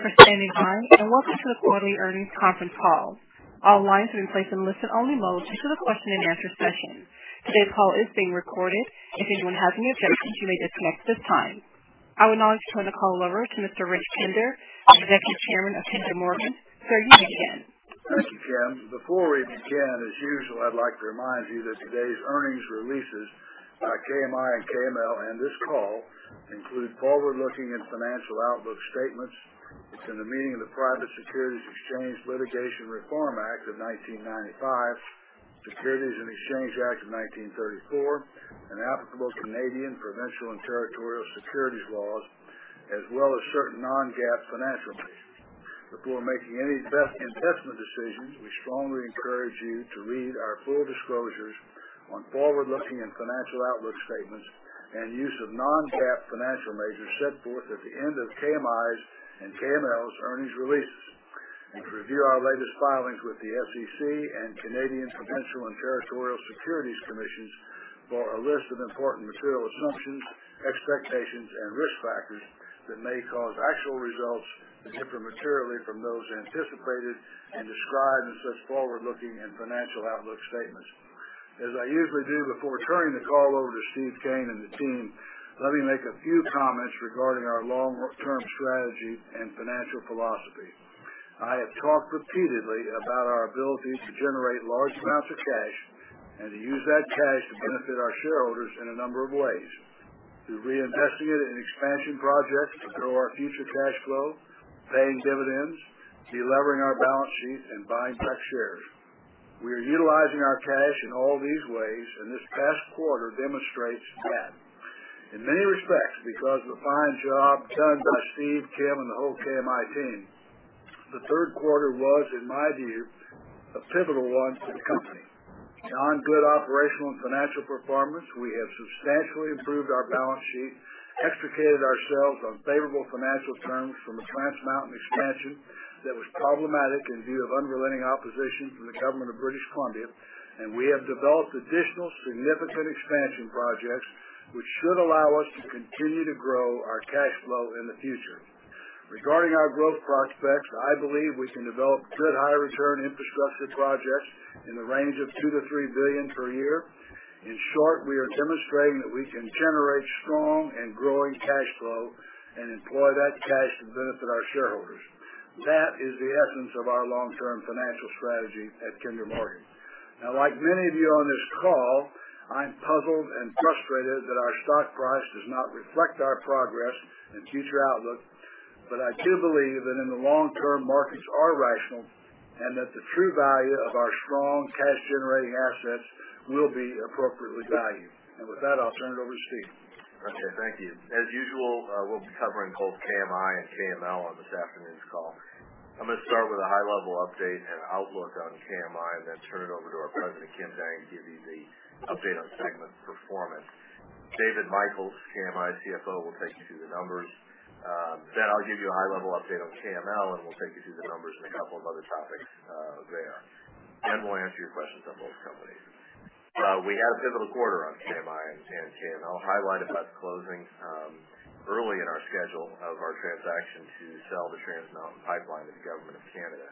Thank you for standing by, and welcome to the quarterly earnings conference call. All lines have been placed in listen-only mode until the question-and-answer session. Today's call is being recorded. If anyone has any objections, you may disconnect at this time. I would now like to turn the call over to Rich Kinder, Executive Chairman of Kinder Morgan. Sir, you may begin. Thank you, Kim. Before we begin, as usual, I'd like to remind you that today's earnings releases by KMI and KML, and this call, include forward-looking and financial outlook statements within the meaning of the Private Securities Litigation Reform Act of 1995, Securities Exchange Act of 1934, and applicable Canadian provincial and territorial securities laws, as well as certain non-GAAP financial measures. Before making any investment decisions, we strongly encourage you to read our full disclosures on forward-looking and financial outlook statements and use of non-GAAP financial measures set forth at the end of KMI's and KML's earnings releases. To review our latest filings with the SEC and Canadian provincial and territorial securities commissions for a list of important material assumptions, expectations, and risk factors that may cause actual results to differ materially from those anticipated and described in such forward-looking and financial outlook statements. As I usually do before turning the call over to Steve Kean and the team, let me make a few comments regarding our long-term strategy and financial philosophy. I have talked repeatedly about our ability to generate large amounts of cash and to use that cash to benefit our shareholders in a number of ways. To reinvest it in expansion projects, to grow our future cash flow, paying dividends, de-levering our balance sheet, and buying back shares. We are utilizing our cash in all these ways, and this past quarter demonstrates that. In many respects, because of the fine job done by Steve, Kim, and the whole KMI team, the third quarter was, in my view, a pivotal one for the company. Beyond good operational and financial performance, we have substantially improved our balance sheet, extricated ourselves on favorable financial terms from the Trans Mountain expansion that was problematic in view of unrelenting opposition from the government of British Columbia, and we have developed additional significant expansion projects, which should allow us to continue to grow our cash flow in the future. Regarding our growth prospects, I believe we can develop good high-return infrastructure projects in the range of $2 billion-$3 billion per year. In short, we are demonstrating that we can generate strong and growing cash flow and employ that cash to benefit our shareholders. That is the essence of our long-term financial strategy at Kinder Morgan. Like many of you on this call, I'm puzzled and frustrated that our stock price does not reflect our progress and future outlook. I do believe that in the long term, markets are rational and that the true value of our strong cash-generating assets will be appropriately valued. With that, I'll turn it over to Steve. Okay. Thank you. As usual, we'll be covering both KMI and KML on this afternoon's call. I'm going to start with a high-level update and outlook on KMI, then turn it over to our President, Kim Dang, to give you the update on segment performance. David Michels, KMI CFO, will take you through the numbers. I'll give you a high-level update on KML, and we'll take you through the numbers and a couple of other topics there. We'll answer your questions on both companies. We had a pivotal quarter on KMI and KML, highlighted by the closing early in our schedule of our transaction to sell the Trans Mountain pipeline to the government of Canada,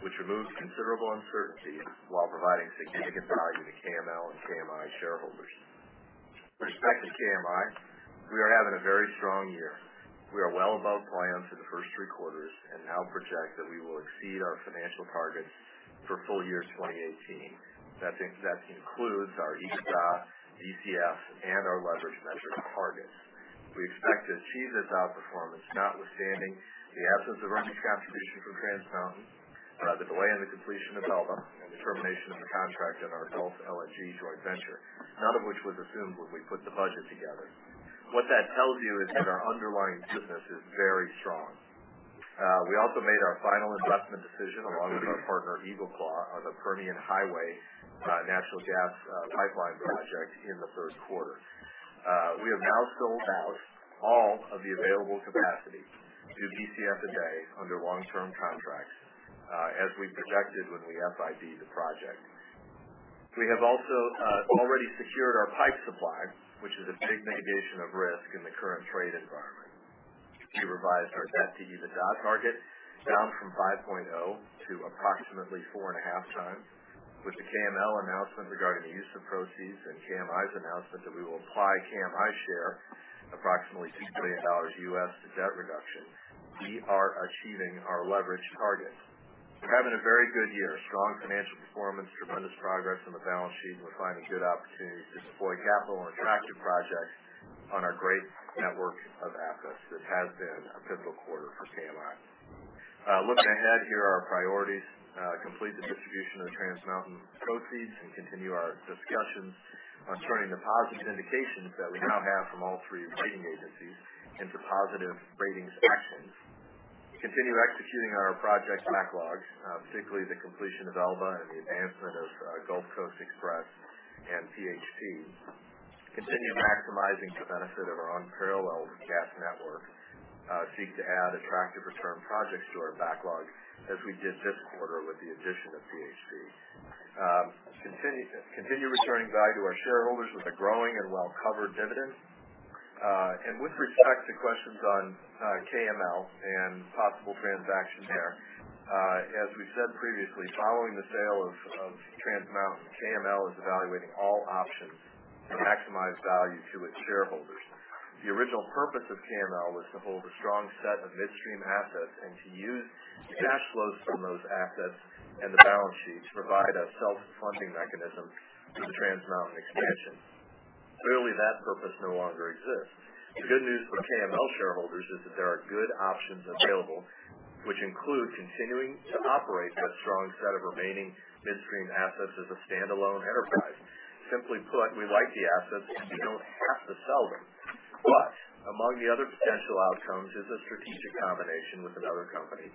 which removes considerable uncertainty while providing significant value to KML and KMI shareholders. With respect to KMI, we are having a very strong year. We are well above plans for the first three quarters and now project that we will exceed our financial targets for full year 2018. That includes our EBITDA, DCF, and our leverage measure targets. We expect to achieve this outperformance notwithstanding the absence of earnings contribution from Trans Mountain, the delay in the completion of Elba, and the termination of the contract in our Gulf LNG joint venture, none of which was assumed when we put the budget together. What that tells you is that our underlying business is very strong. We also made our final investment decision, along with our partner EagleClaw, on the Permian Highway natural gas pipeline project in the first quarter. We have now sold out all of the available capacity, two Bcf a day under long-term contracts, as we projected when we FID'd the project. We have also already secured our pipe supply, which is a big mitigation of risk in the current trade environment. We revised our debt-to-EBITDA target down from 5.0 to approximately four and a half times. With the KML announcement regarding the use of proceeds and KMI's announcement that we will apply KMI share, approximately $2 billion U.S., to debt reduction. We are achieving our leverage target. We're having a very good year. Strong financial performance, tremendous progress on the balance sheet, we're finding good opportunities to deploy capital on attractive projects on our great network of assets. This has been a pivotal quarter for KMI. Looking ahead, here are our priorities. Complete the distribution of the Trans Mountain proceeds and continue our discussions on turning the positive indications that we now have from all three rating agencies into positive ratings actions. Continue executing our project backlog, particularly the completion of Elba and the advancement of Gulf Coast Express and PHC. Continue maximizing the benefit of our unparalleled gas network. Seek to add attractive return projects to our backlog, as we did this quarter with the addition of PHC. Continue returning value to our shareholders with a growing and well-covered dividend. With respect to questions on KML and possible transaction there, as we've said previously, following the sale of Trans Mountain, KML is evaluating all options to maximize value to its shareholders. The original purpose of KML was to hold a strong set of midstream assets and to use the cash flows from those assets and the balance sheet to provide a self-funding mechanism for the Trans Mountain expansion. Clearly, that purpose no longer exists. The good news for KML shareholders is that there are good options available, which include continuing to operate that strong set of remaining midstream assets as a standalone enterprise. Simply put, we like the assets and we don't have to sell them. Among the other potential outcomes is a strategic combination with another company,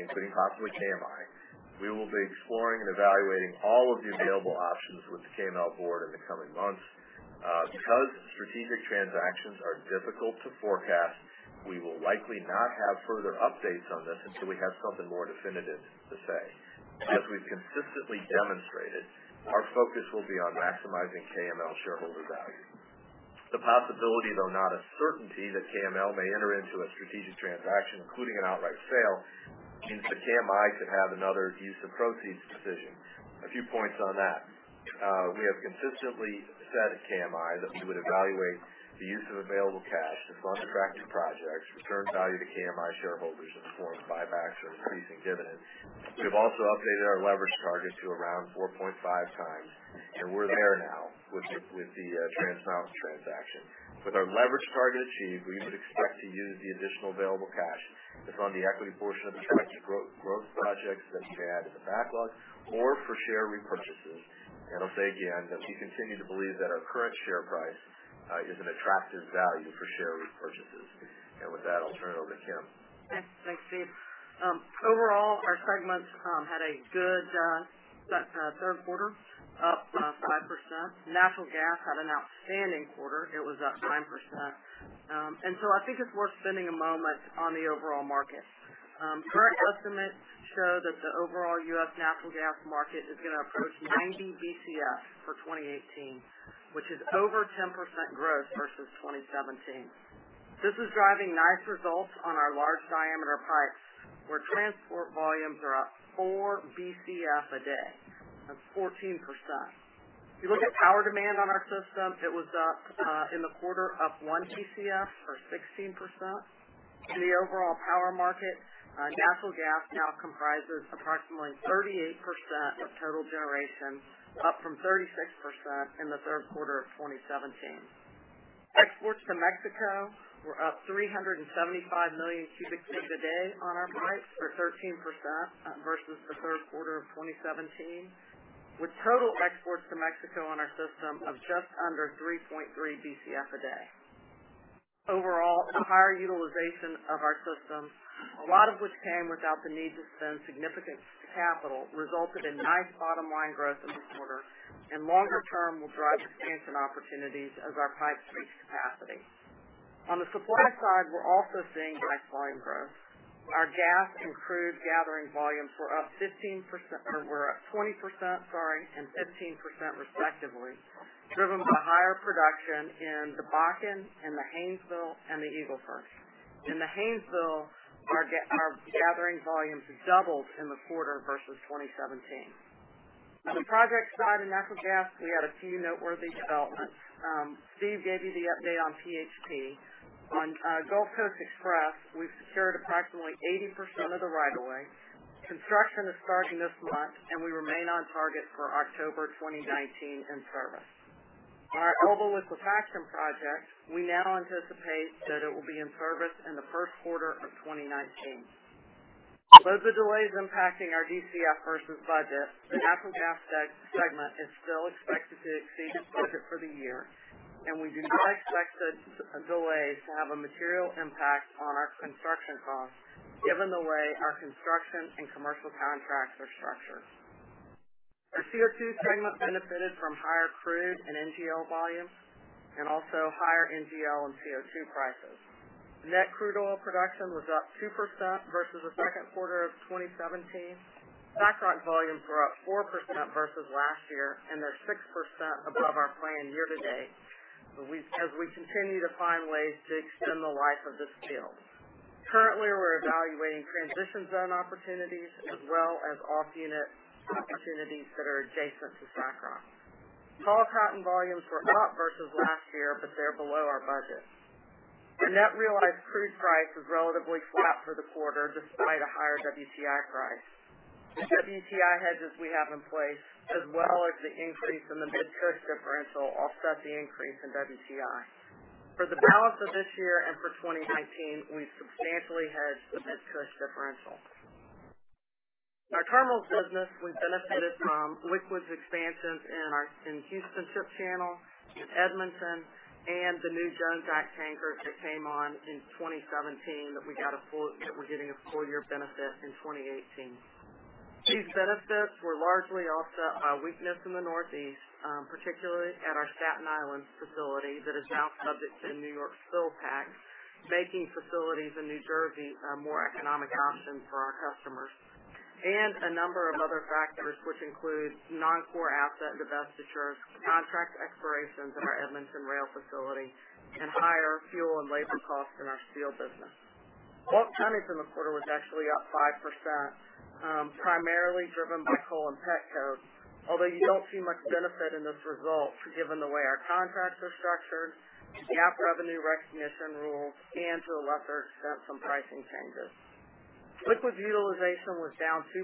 including possibly KMI. We will be exploring and evaluating all of the available options with the KML board in the coming months. Because strategic transactions are difficult to forecast, we will likely not have further updates on this until we have something more definitive to say. As we've consistently demonstrated, our focus will be on maximizing KML shareholder value. The possibility, though not a certainty, that KML may enter into a strategic transaction, including an outright sale, means that KMI could have another use of proceeds decision. A few points on that. We have consistently said at KMI that we would evaluate the use of available cash to fund attractive projects, return value to KMI shareholders in the form of buybacks or increasing dividends. We have also updated our leverage target to around 4.5x, and we're there now with the Trans Mountain transaction. With our leverage target achieved, we would expect to use the additional available cash to fund the equity portion of attractive growth projects that we have in the backlog or for share repurchases. I'll say again that we continue to believe that our current share price is an attractive value for share repurchases. With that, I'll turn it over to Kim. Thanks, Steve. Overall, our segments had a good third quarter, up 5%. Natural gas had an outstanding quarter. It was up 9%. I think it's worth spending a moment on the overall market. Current estimates show that the overall U.S. natural gas market is going to approach 90 BCF for 2018, which is over 10% growth versus 2017. This is driving nice results on our large diameter pipes, where transport volumes are up four BCF a day. That's 14%. If you look at power demand on our system, it was up in the quarter up one BCF or 16%. In the overall power market, natural gas now comprises approximately 38% of total generation, up from 36% in the third quarter of 2017. Exports to Mexico were up 375 million cubic feet a day on our pipes or 13% versus the third quarter of 2017, with total exports to Mexico on our system of just under 3.3 Bcf a day. The higher utilization of our systems, a lot of which came without the need to spend significant capital, resulted in nice bottom line growth in the quarter and longer term will drive expansion opportunities as our pipes reach capacity. On the supply side, we're also seeing nice volume growth. Our gas and crude gathering volumes were up 20% and 15% respectively, driven by higher production in the Bakken, in the Haynesville, and the Eagle Ford. In the Haynesville, our gathering volumes doubled in the quarter versus 2017. On the project side in natural gas, we had a few noteworthy developments. Steve gave you the update on PHP. On Gulf Coast Express, we've secured approximately 80% of the right of way. Construction is starting this month, we remain on target for October 2019 in service. On our Elba with the Frack Sand project, we now anticipate that it will be in service in the first quarter of 2019. The delays impacting our DCF versus budget, the natural gas segment is still expected to exceed its budget for the year, we do not expect the delays to have a material impact on our construction costs given the way our construction and commercial contracts are structured. Our CO2 segment benefited from higher crude and NGL volumes and also higher NGL and CO2 prices. Net crude oil production was up 2% versus the second quarter of 2017. SACROC volumes were up 4% versus last year, they're 6% above our plan year to date as we continue to find ways to extend the life of this field. Currently, we're evaluating transition zone opportunities as well as off-unit opportunities that are adjacent to SACROC. Tall Cotton volumes were up versus last year, they're below our budget. The net realized crude price was relatively flat for the quarter despite a higher WTI price. The WTI hedges we have in place, as well as the increase in the Midland-Cushing differential, offset the increase in WTI. For the balance of this year and for 2019, we've substantially hedged the Midland-Cushing differential. Our terminals business, we benefited from liquids expansions in Houston Ship Channel, in Edmonton, the new Jones Act tanker that came on in 2017 that we're getting a full year benefit in 2018. These benefits were largely offset by weakness in the Northeast, particularly at our Staten Island facility that is now subject to New York's spill tax, making facilities in New Jersey a more economic option for our customers. A number of other factors, which includes non-core asset divestitures, contract expirations in our Edmonton rail facility, higher fuel and labor costs in our steel business. Bulk tonnage in the quarter was actually up 5%, primarily driven by coal and petcoke. You don't see much benefit in this result, given the way our contracts are structured, GAAP revenue recognition rules, to a lesser extent, some pricing changes. Liquids utilization was down 2%,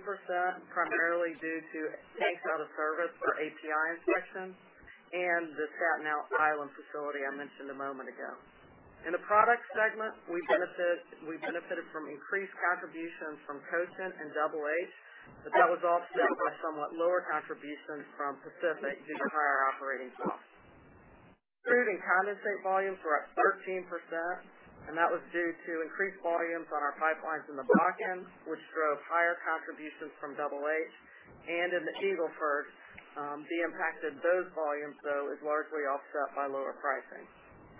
primarily due to tanks out of service for API inspections and the Staten Island facility I mentioned a moment ago. In the products segment, we benefited from increased contributions from Cochin and Double H, but that was offset by somewhat lower contributions from Pacific Operations due to higher operating costs. Crude and condensate volumes were up 13%, that was due to increased volumes on our pipelines in the Bakken, which drove higher contributions from Double H and in the Eagle Ford. The impact of those volumes, though, is largely offset by lower pricing.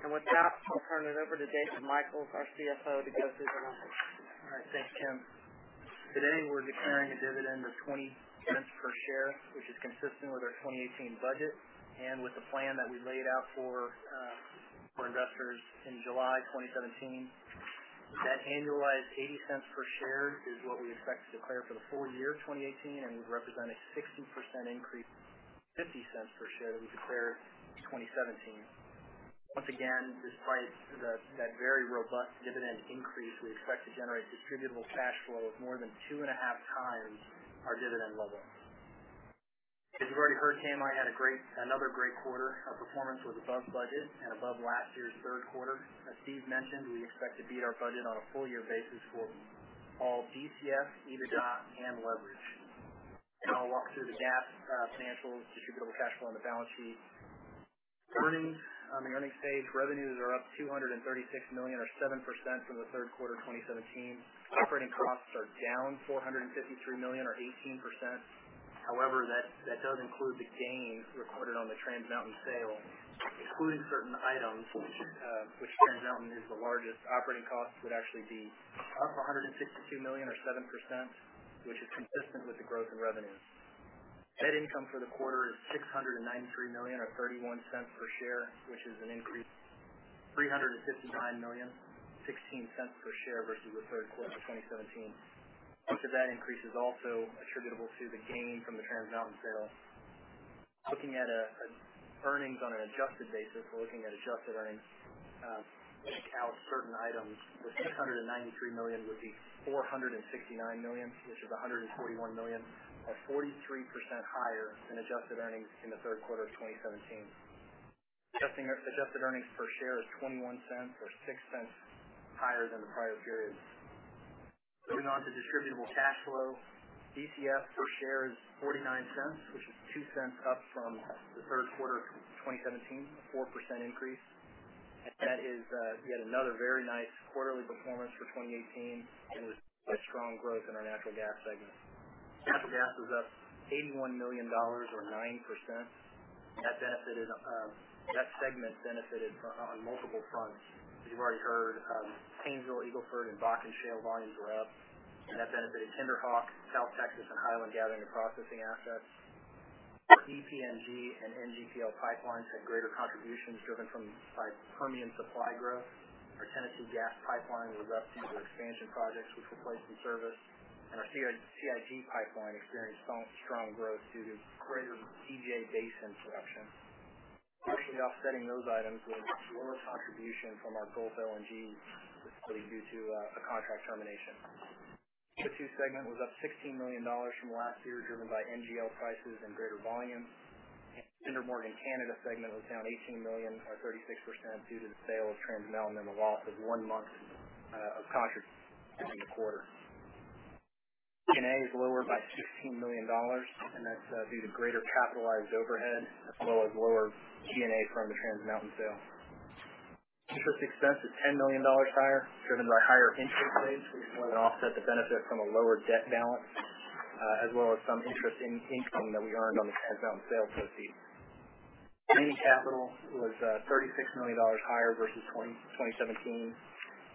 With that, I'll turn it over to David Michels, our CFO, to go through the numbers. All right. Thanks, Kim. Today, we're declaring a dividend of $0.20 per share, which is consistent with our 2018 budget and with the plan that we laid out for investors in July 2017. That annualized $0.80 per share is what we expect to declare for the full year 2018, would represent a 60% increase from $0.50 per share that we declared in 2017. Once again, despite that very robust dividend increase, we expect to generate distributable cash flow of more than two and a half times our dividend level. As you've already heard, Kim, had another great quarter. Our performance was above budget and above last year's third quarter. As Steve mentioned, we expect to beat our budget on a full-year basis for all DCF, EBITDA, and leverage. I'll walk through the GAAP financials, distributable cash flow on the balance sheet. On the earnings page, revenues are up $236 million or 7% from the third quarter 2017. Operating costs are down $453 million or 18%. That does include the gain recorded on the Trans Mountain sale. Excluding certain items, which Trans Mountain is the largest, operating costs would actually be up $162 million or 7%, which is consistent with the growth in revenue. Net income for the quarter is $693 million or $0.31 per share, which is an increase of $359 million, $0.16 per share versus the third quarter 2017. Much of that increase is also attributable to the gain from the Trans Mountain sale. Looking at earnings on an adjusted basis. We're looking at adjusted earnings, taking out certain items. The $693 million would be $469 million, which is $141 million, or 43% higher in adjusted earnings in the third quarter of 2017. Adjusted earnings per share is $0.21 or $0.06 higher than the prior period. Moving on to distributable cash flow. DCF per share is $0.49, which is $0.02 up from the third quarter of 2017, a 4% increase. That is yet another very nice quarterly performance for 2018 and is a strong growth in our natural gas segment. Natural gas was up $81 million or 9%. That segment benefited on multiple fronts. As you've already heard, Haynesville, Eagle Ford, and Bakken shale volumes were up, and that benefited KinderHawk, South Texas, and Hiland Gathering and Processing assets. EPNG and NGPL pipelines had greater contributions driven by Permian supply growth. Our Tennessee Gas Pipeline was up due to expansion projects which were placed in service. Our CIG pipeline experienced strong growth due to greater DJ Basin production. Partially offsetting those items was lower contribution from our Gulf LNG facility due to a contract termination. The CO2 segment was up $16 million from last year, driven by NGL prices and greater volumes. The Kinder Morgan Canada segment was down $18 million or 36% due to the sale of Trans Mountain and the loss of one month of contracts during the quarter. G&A is lower by $16 million, and that's due to greater capitalized overhead as well as lower G&A from the Trans Mountain sale. Interest expense is $10 million higher, driven by higher interest rates, which more than offset the benefit from a lower debt balance, as well as some interest in income that we earned on the Trans Mountain sale proceeds. Sustaining capital was $36 million higher versus 2017.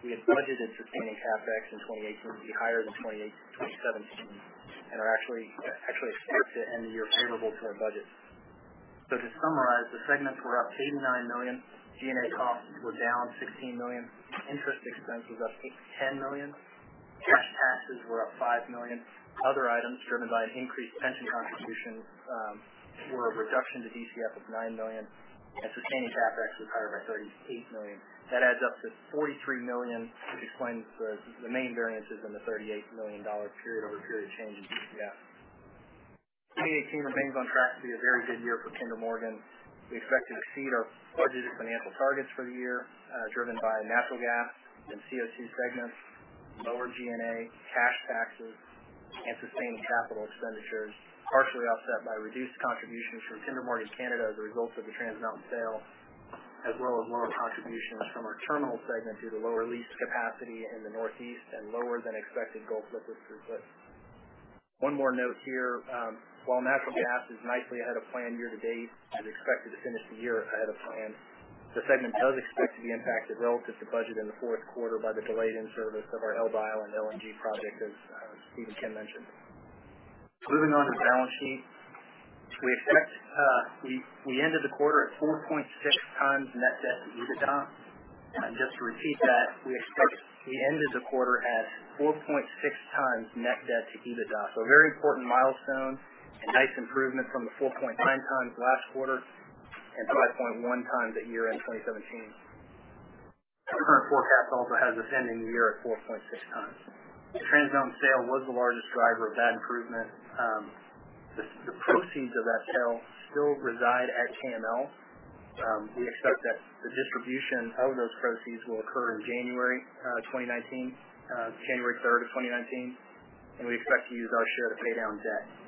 We had budgeted sustaining CapEx in 2018 would be higher than 2017 and are actually expected to end the year favorable to our budget. To summarize, the segments were up $89 million. G&A costs were down $16 million. Interest expense was up $10 million. Cash taxes were up $5 million. Other items driven by an increased pension contribution were a reduction to DCF of $9 million. Sustaining CapEx was higher by $38 million. That adds up to $43 million, which explains the main variances in the $38 million period-over-period change in DCF. 2018 remains on track to be a very good year for Kinder Morgan. We expect to exceed our budgeted financial targets for the year driven by natural gas and CO2 segments, lower G&A, cash taxes, and sustaining capital expenditures, partially offset by reduced contributions from Kinder Morgan Canada as a result of the Trans Mountain sale, as well as lower contributions from our terminal segment due to lower leased capacity in the Northeast and lower than expected Gulf liquids throughput. One more note here. While natural gas is nicely ahead of plan year-to-date and expected to finish the year ahead of plan, the segment does expect to be impacted relative to budget in the fourth quarter by the delayed in-service of our Elba Island LNG project, as Steve and Kim mentioned. Moving on to the balance sheet. We ended the quarter at 4.6 times net debt to EBITDA. Just to repeat that, we ended the quarter at 4.6 times net debt to EBITDA. A very important milestone, a nice improvement from the 4.9 times last quarter, and 5.1 times at year-end 2017. Our current forecast also has us ending the year at 4.6 times. Trans Mountain sale was the largest driver of that improvement. The proceeds of that sale still reside at KML. We expect that the distribution of those proceeds will occur in January 3rd of 2019, and we expect to use our share to pay down debt.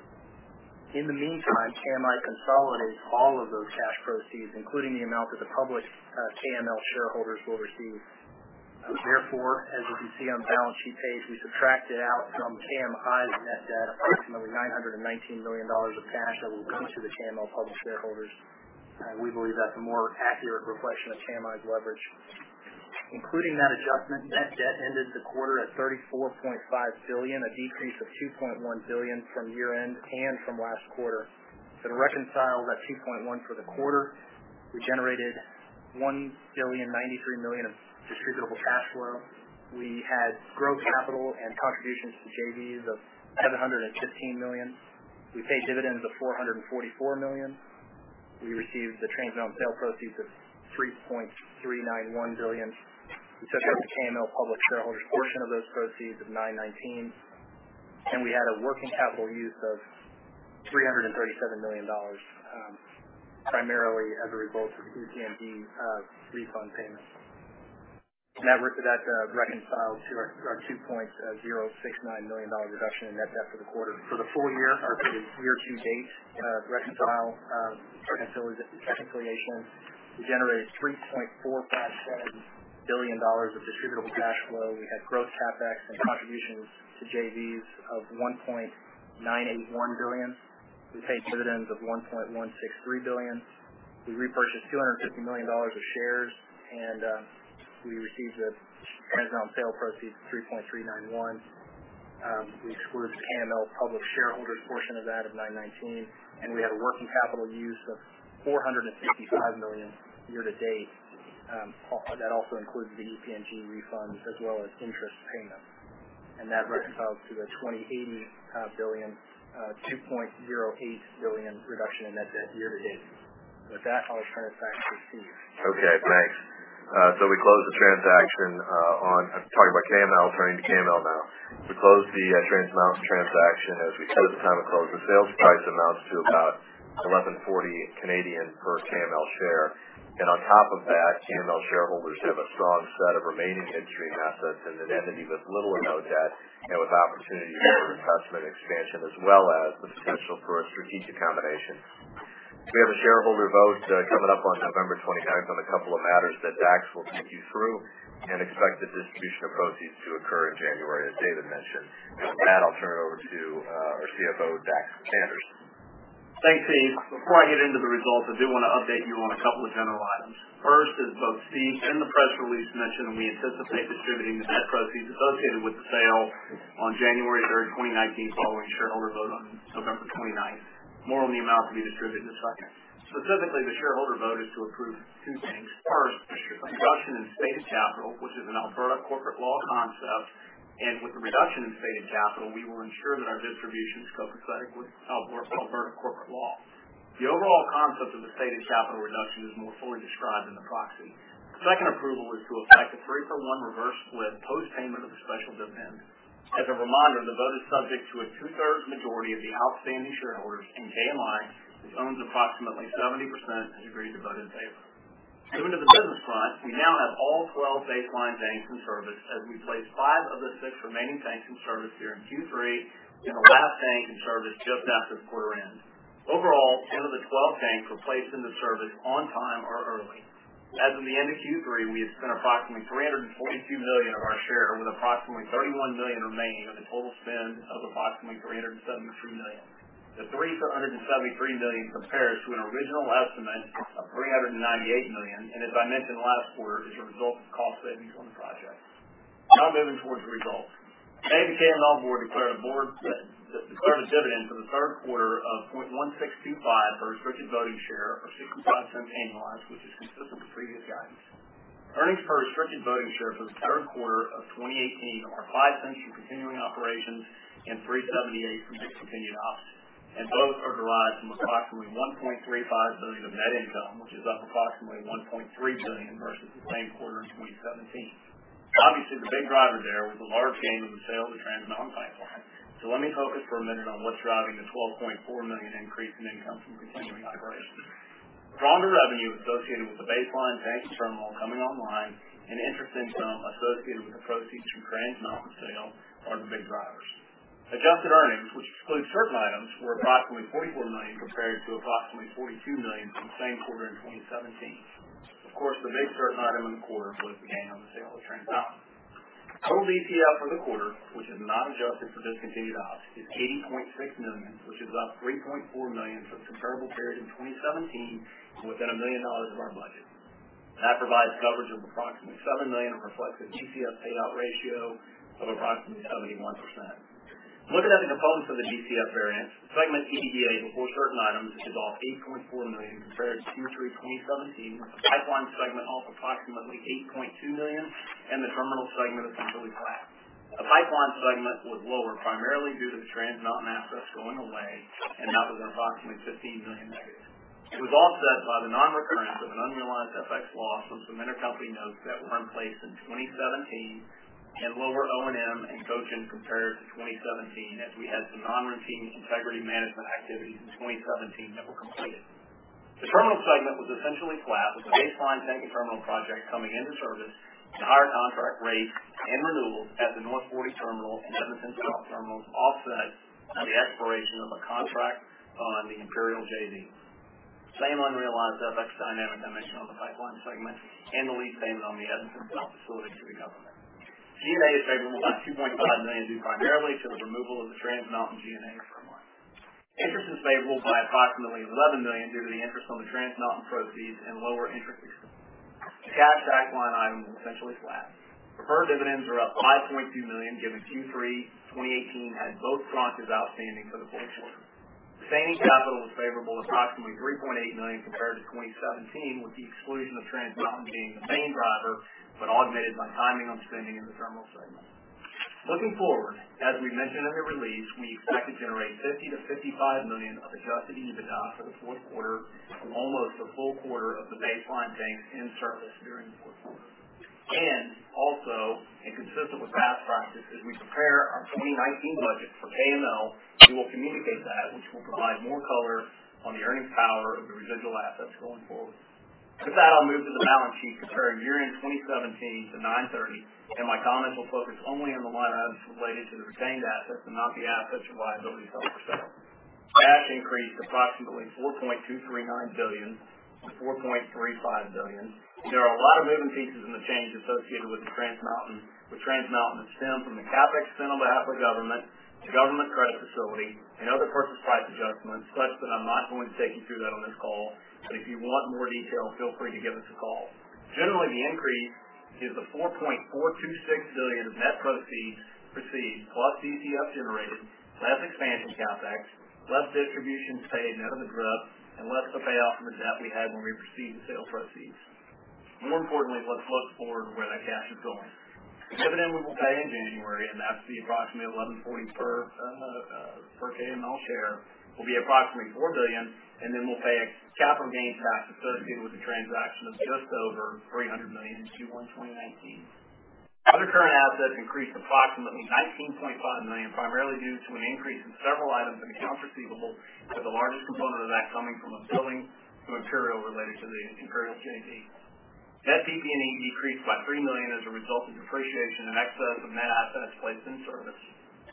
In the meantime, KMI consolidates all of those cash proceeds, including the amount that the public KML shareholders will receive. Therefore, as you can see on the balance sheet page, we subtracted out from KMI's net debt approximately $919 million of cash that will go to the KML public shareholders. We believe that's a more accurate reflection of KMI's leverage. Including that adjustment, net debt ended the quarter at $34.5 billion, a decrease of $2.1 billion from year-end and from last quarter. To reconcile that $2.1 billion for the quarter, we generated $1.093 billion of distributable cash flow. We had gross capital and contributions to JVs of $715 million. We paid dividends of $444 million. We received the Trans Mountain sale proceeds of $3.391 billion. We set the KML public shareholders' portion of those proceeds of $919 million, and we had a working capital use of $337 million, primarily as a result of EPNG refund payments. The net of that reconciles to our $2.069 billion reduction in net debt for the quarter. For the full year, our year-to-date reconcile, certain affiliates at the cash creations, we generated $3.457 billion of distributable cash flow. We had gross CapEx and contributions to JVs of $1.981 billion. We paid dividends of $1.163 billion. We repurchased $250 million of shares. We received the Trans Mountain sale proceeds of $3.391 billion. We excluded the KML public shareholders' portion of that of $919 million, and we had a working capital use of $455 million year-to-date. That also includes the EPNG refunds as well as interest payments. That reconciles to the $2.08 billion reduction in net debt year-to-date. With that, I'll turn it back to Steve. Okay, thanks. We closed the transaction. I'm talking about KML, turning to KML now. We closed the Trans Mountain transaction as we said at the time of close. The sales price amounts to about 1,140 per KML share. On top of that, KML shareholders have a strong set of remaining upstream assets in an entity with little or no debt and with opportunity for investment expansion as well as the potential for a strategic combination. We have a shareholder vote coming up on November 29th on a couple of matters that Dax will take you through and expect the distribution of proceeds to occur in January, as David mentioned. With that, I'll turn it over to our CFO, Dax Sanders. Thanks, Steve. Before I get into the results, I do want to update you on a couple of general items. First, as both Steve and the press release mentioned, we anticipate distributing the net proceeds associated with the sale on January 3rd, 2019, following shareholder vote on November 29th. More on the amount to be distributed in a second. Specifically, the shareholder vote is to approve two things. First, a reduction in stated capital, which is an Alberta corporate law concept. With the reduction in stated capital, we will ensure that our distribution is consistent with Alberta corporate law. The overall concept of the stated capital reduction is more fully described in the proxy. The second approval is to effect a 3-for-1 reverse split post-payment of the special dividend. As a reminder, the vote is subject to a two-thirds majority of the outstanding shareholders, KMI, which owns approximately 70%, has agreed to vote in favor. Moving to the business front, we now have all 12 Baseline tanks in service as we placed five of the six remaining tanks in service here in Q3 and the last tank in service just after the quarter ends. Overall, 10 of the 12 tanks were placed into service on time or early. As of the end of Q3, we had spent approximately $342 million of our share, with approximately $31 million remaining of the total spend of approximately $373 million. The $373 million compares to an original estimate of $398 million, and as I mentioned last quarter, is a result of cost savings on the project. Moving towards results. Today, the KML board declared a dividend for the third quarter of 0.1625 per restricted voting share, or $0.65 KMI, which is consistent with previous guidance. Earnings per restricted voting share for the third quarter of 2018 are $0.05 from continuing operations and $3.78 from discontinued ops, Both are derived from approximately $1.35 billion of net income, which is up approximately $1.3 billion versus the same quarter in 2017. Obviously, the big driver there was a large gain in the sale of the Trans Mountain pipeline. Let me focus for a minute on what's driving the $12.4 million increase in income from continuing operations. Stronger revenue associated with the Baseline Tank Terminal coming online and interest income associated with the proceeds from Trans Mountain sale are the big drivers. Adjusted earnings, which exclude certain items, were approximately $44 million compared to approximately $42 million from the same quarter in 2017. Of course, the big third item in the quarter was the gain on the sale of Trans Mountain. Total EPS for the quarter, which is not adjusted for discontinued ops, is $80.6 million, which is up $3.4 million from the comparable period in 2017 and within $1 million of our budget. That provides coverage of approximately $7 million, reflective DCF payout ratio of approximately 71%. Looking at the components of the DCF variance, segment EBITDA before certain items is off $8.4 million compared to Q3 2017, with the pipeline segment off approximately $8.2 million and the terminal segment essentially flat. The pipeline segment was lower primarily due to the Trans Mountain assets going away and not as an approximate $15 million negative. It was offset by the non-recurrence of an unrealized FX loss on some intercompany notes that were in place in 2017, Lower O&M and Cogen compared to 2017, as we had some non-routine integrity management activities in 2017 that were completed. The terminal segment was essentially flat with the Baseline Tank and Terminal project coming into service and higher contract rates and renewals at the North Forty Terminal and Edmonton South Terminals offset the expiration of a contract on the Imperial JV. Same unrealized FX dynamic I mentioned on the pipeline segment The lease payment on the Edmonton South facility to recover. G&A is favorable by $2.5 million due primarily to the removal of the Trans Mountain G&A requirement. Interest is favorable by approximately $11 million due to the interest on the Trans Mountain proceeds and lower interest expense. The cash tagline item is essentially flat. Preferred dividends are up $5.2 million, given Q3 2018 had both tranches outstanding for the full quarter. Maintaining capital was favorable approximately $3.8 million compared to 2017, with the exclusion of Trans Mountain being the main driver, but augmented by timing on spending in the terminal segment. Looking forward, as we mentioned in the release, we expect to generate $50 million-$55 million of adjusted EBITDA for the fourth quarter from almost the full quarter of the Base Line Tank in service during the fourth quarter. Consistent with past practices, we prepare our 2019 budget for KML. We will communicate that, which will provide more color on the earnings power of the residual assets going forward. With that, I'll move to the balance sheet compared year-end 2017 to 9/30, and my comments will focus only on the line items related to the retained assets and not the assets or liabilities on the sale. Cash increased approximately $4.239 billion to $4.35 billion. There are a lot of moving pieces in the change associated with the Trans Mountain, which stems from the CapEx spent on behalf of the government, the government credit facility, and other purchase price adjustments, such that I'm not going to take you through that on this call. If you want more detail, feel free to give us a call. Generally, the increase is the $4.426 billion of net proceeds received plus DCF generated, less expansion CapEx, less distributions paid net of the gross, and less the payoff from the debt we had when we received the sale proceeds. More importantly, let's look forward where that cash is going. The dividend we will pay in January, and that's the approximately $11.40 per KML share, will be approximately $4 billion, and then we'll pay a capital gains tax associated with the transaction of just over $300 million in Q1 2019. Other current assets increased approximately $19.5 million, primarily due to an increase in several items in accounts receivable, with the largest component of that coming from a billing to material related to the Imperial JV. Net PP&E decreased by $3 million as a result of depreciation in excess of net assets placed in service.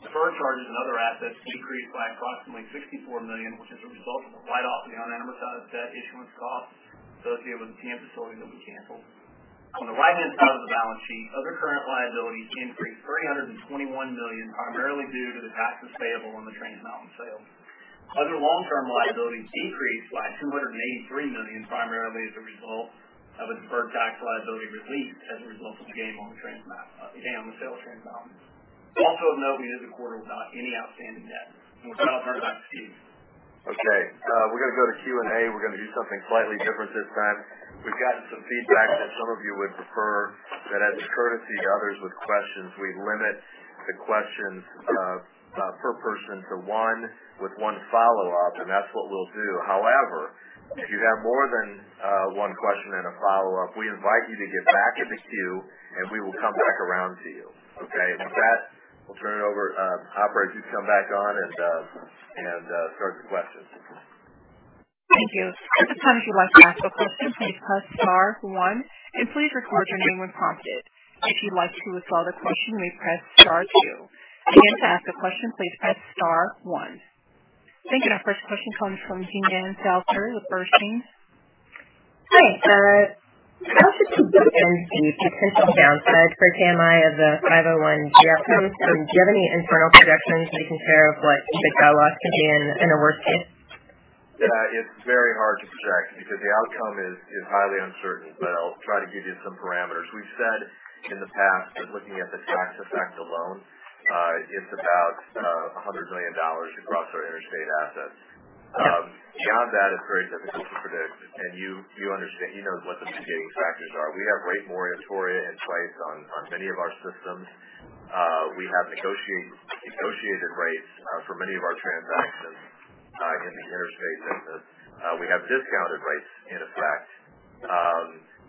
Deferred charges and other assets increased by approximately $64 million, which is a result of a write-off of the unamortized debt issuance costs associated with the TM facility that we canceled. On the right-hand side of the balance sheet, other current liabilities increased $321 million, primarily due to the taxes payable on the Trans Mountain sale. Other long-term liabilities decreased by $283 million, primarily as a result of a deferred tax liability release as a result of the gain on the sale of Trans Mountain. It's also of note we end the quarter without any outstanding debt, and we'll turn it back to Steve. Okay. We're going to go to Q&A. We're going to do something slightly different this time. We've gotten some feedback that some of you would prefer that as a courtesy to others with questions, we limit the questions per person to one with one follow-up, and that's what we'll do. However, if you have more than one question and a follow-up, we invite you to get back in the queue, and we will come back around to you. Okay? With that, we'll turn it over. Operator, you can come back on and start the questions. Thank you. At this time, if you'd like to ask a question, please press star one and please record your name when prompted. If you'd like to withdraw the question, you may press star two. Again, to ask a question, please press star one. Thank you. Our first question comes from Jean Salisbury with Bernstein. Hi. How much do you build in the potential downside for KMI of the Form 501-G? Do you have any internal projections when you compare of what the drag loss could be in a worst case? Yeah, it's very hard to project because the outcome is highly uncertain. I'll try to give you some parameters. We've said in the past that looking at the tax effect alone, it's about $100 million across our interstate assets. Beyond that, it's very difficult to predict, you know what the mitigating factors are. We have rate moratoria in place on many of our systems. We have negotiated rates for many of our transactions in the interstate business. We have discounted rates in effect.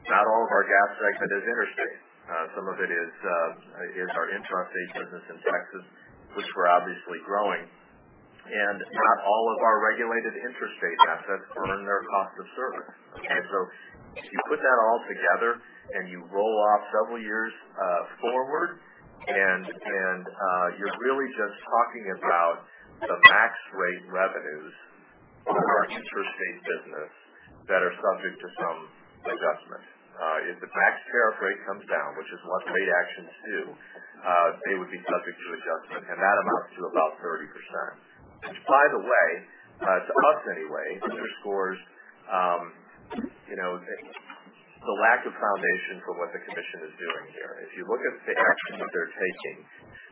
Not all of our gas transit is interstate. Some of it is our intrastate business in Texas, which we're obviously growing. Not all of our regulated interstate assets earn their cost of service. Okay? If you put that all together and you roll off several years forward, and you're really just talking about the max rate revenues for our interstate business that are subject to some adjustment. If the tax tariff rate comes down, which is what today's actions do, they would be subject to adjustment, and that amounts to about 30%. Which, by the way, to us anyway, underscores the lack of foundation for what the Commission is doing here. If you look at the actions that they're taking,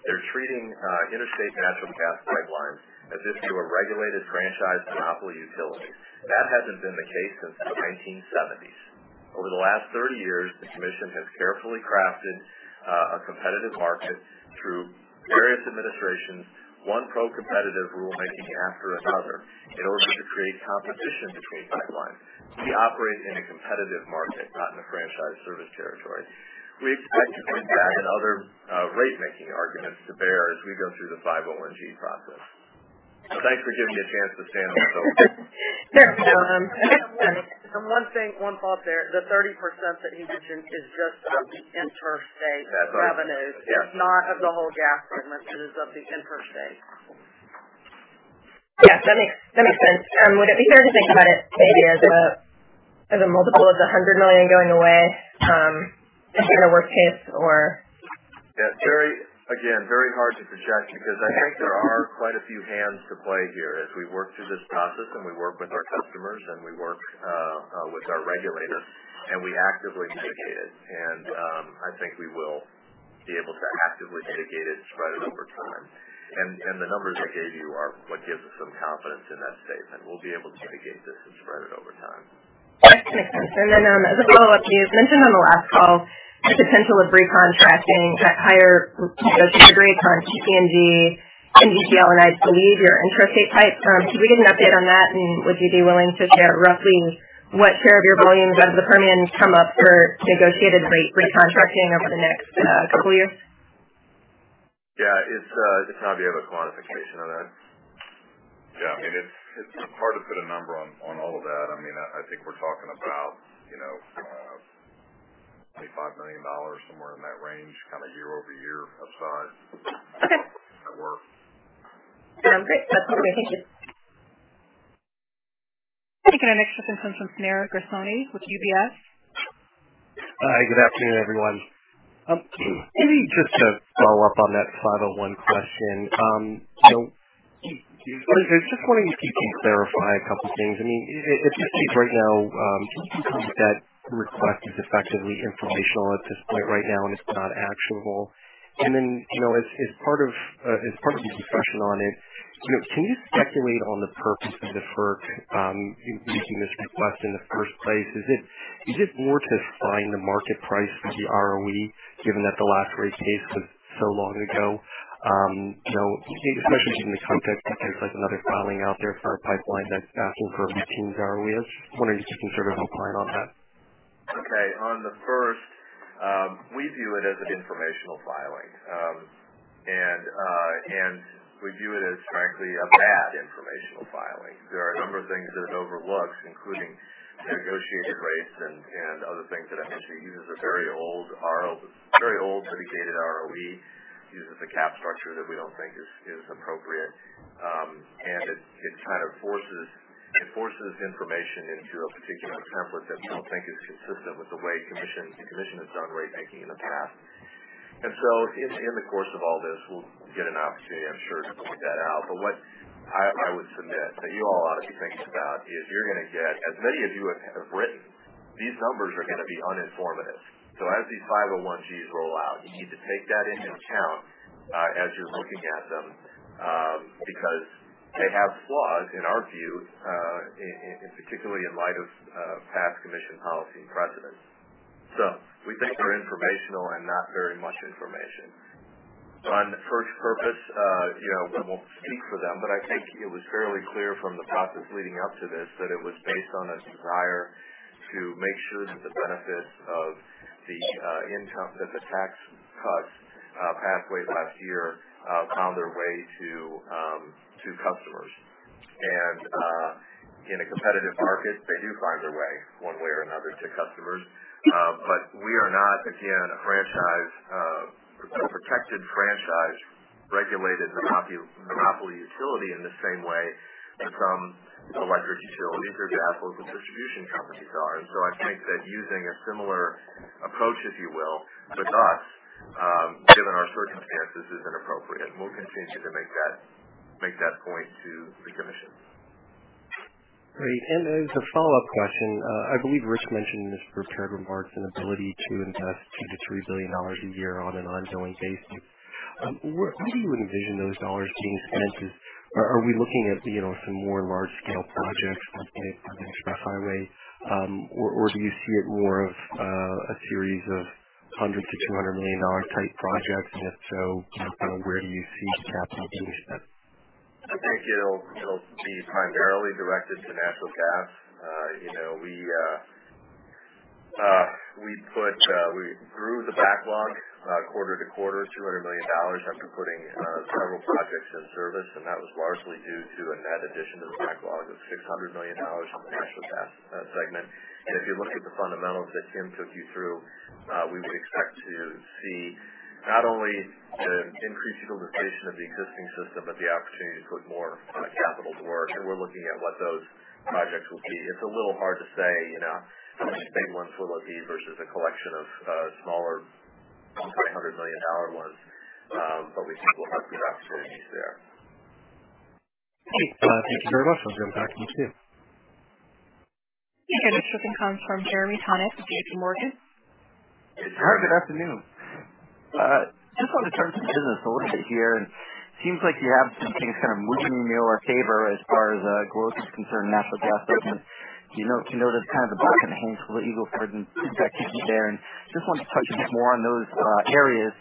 they're treating interstate natural gas pipelines as if they were regulated franchise monopoly utilities. That hasn't been the case since the 1970s. Over the last 30 years, the Commission has carefully crafted a competitive market through various administrations, one pro-competitive rulemaking after another, in order to create competition between pipelines. We operate in a competitive market, not in a franchise service territory. We expect to point that and other rate-making arguments to bear as we go through the 501G process. Thanks for giving me a chance to stand on a soapbox. One thought there. The 30% that he mentioned is just of the interstate revenues. That's right. Yeah. Not of the whole gas segment. It is of the interstate. Yeah, that makes sense. Would it be fair to think about it maybe as a multiple of the $100 million going away as sort of a worst case? Yeah, Jean, again, very hard to project, because I think there are quite a few hands to play here as we work through this process and we work with our customers, and we work with our regulators, and we actively mitigate it. I think we will be able to actively mitigate it and spread it over time. The numbers I gave you are what gives us some confidence in that statement. We'll be able to mitigate this and spread it over time. That makes sense. Then, as a follow-up, you had mentioned on the last call the potential of recontracting at higher negotiated rates on EPNG, NGPL, and I believe your interstate pipes. Can we get an update on that? Would you be willing to share roughly what share of your volumes out of the Permian come up for negotiated rate recontracting over the next couple years? Yeah. It's an idea, but quantification of that. Yeah. It's hard to put a number on all of that. I think we're talking about $25 million, somewhere in that range, year-over-year of size. Okay. At work. Great. That's helpful. Thank you. Okay, our next question comes from Shneur Gershuni with UBS. Hi, good afternoon, everyone. Maybe just to follow up on that 501G question. I just wonder if you can clarify a couple things. It seems right now that request is effectively informational at this point right now, and it's not actionable. Then, as part of the discussion on it, can you speculate on the purpose of the FERC using this request in the first place? Is it more to find the market price for the ROE, given that the last rate case was so long ago? Especially given the context of another filing out there for a pipeline that's asking for routine ROEs. Just wondering if you can sort of help align on that. On the first, we view it as an informational filing. We view it as, frankly, a bad informational filing. There are a number of things it overlooks, including negotiated rates and other things that I mentioned. It uses a very old mitigated ROE, uses a cap structure that we don't think is appropriate. It forces information into a particular template that we don't think is consistent with the way the commission has done ratemaking in the past. In the course of all this, we'll get an opportunity, I'm sure, to point that out. What I would submit that you all ought to be thinking about is you're going to get, as many of you have written, these numbers are going to be uninformative. As these 501Gs roll out, you need to take that into account as you're looking at them, because they have flaws, in our view, and particularly in light of past commission policy and precedence. We think they're informational and not very much information. On FERC's purpose, we won't speak for them, but I think it was fairly clear from the process leading up to this that it was based on a desire to make sure that the benefits of the tax cuts pathway last year found their way to customers. In a competitive market, they do find their way, one way or another, to customers. We are not, again, a protected franchise regulated monopoly utility in the same way that some electric utilities, for example, some distribution companies are. I think that using a similar approach, if you will, to us, given our circumstances, is inappropriate, and we'll continue to make that point to the commission. Great. As a follow-up question, I believe Rich mentioned in his prepared remarks an ability to invest $2 billion to $3 billion a year on an ongoing basis. How do you envision those dollars being spent? Are we looking at some more large-scale projects, like an Express Pipeline? Or do you see it more of a series of $100 million to $200 million type projects? If so, where do you see the capital going to spend? I think it'll be primarily directed to natural gas. We grew the backlog quarter to quarter, $200 million after putting several projects in service, and that was largely due to a net addition to the backlog of $600 million in the natural gas segment. If you look at the fundamentals that Tim took you through, we would expect to see Not only to increase utilization of the existing system, but the opportunity to put more capital to work, and we're looking at what those projects will be. It's a little hard to say how much big ones we'll look at versus a collection of smaller $200 million ones. We think we'll have good opportunities there. Okay. Thank you very much. I'll get back to you, too. Thank you. The next question comes from Jeremy Tonet with J.P. Morgan. Hi, good afternoon. Just wanted to turn to the business a little bit here, seems like you have some things kind of moving in your favor as far as growth is concerned in natural gas business. You noticed the Bakken, Haynesville, Eagle Ford activity there, just wanted to touch a bit more on those areas.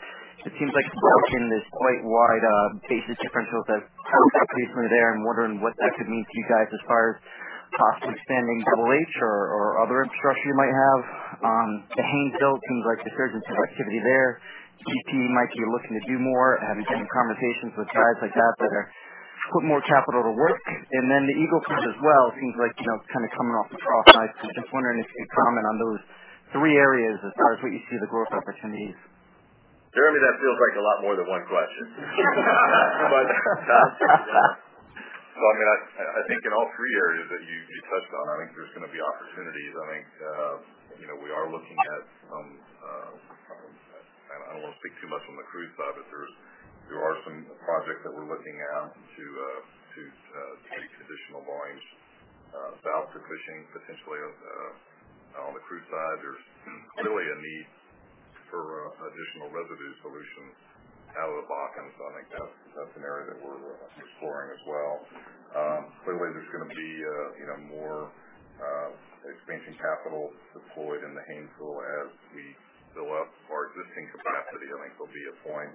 It seems like competition is quite wide, basis differentials have come up recently there. I'm wondering what that could mean to you guys as far as possibly expanding Double H or other infrastructure you might have. The Haynesville seems like resurgence of activity there. GP might be looking to do more. Have you had any conversations with guys like that are putting more capital to work? Then the Eagle Ford as well, it seems like it's kind of coming off the trough. I was just wondering if you could comment on those three areas as far as what you see the growth opportunities. Jeremy, that feels like a lot more than one question. I think in all three areas that you touched on, there's going to be opportunities. We are looking at some I don't want to speak too much on the crude side, but there are some projects that we're looking at to take additional volumes south to Cushing, potentially, on the crude side. There's clearly a need for additional residue solutions out of the Bakken. That's an area that we're exploring as well. Clearly, there's going to be more expansion capital deployed in the Haynesville as we fill up our existing capacity. There'll be a point,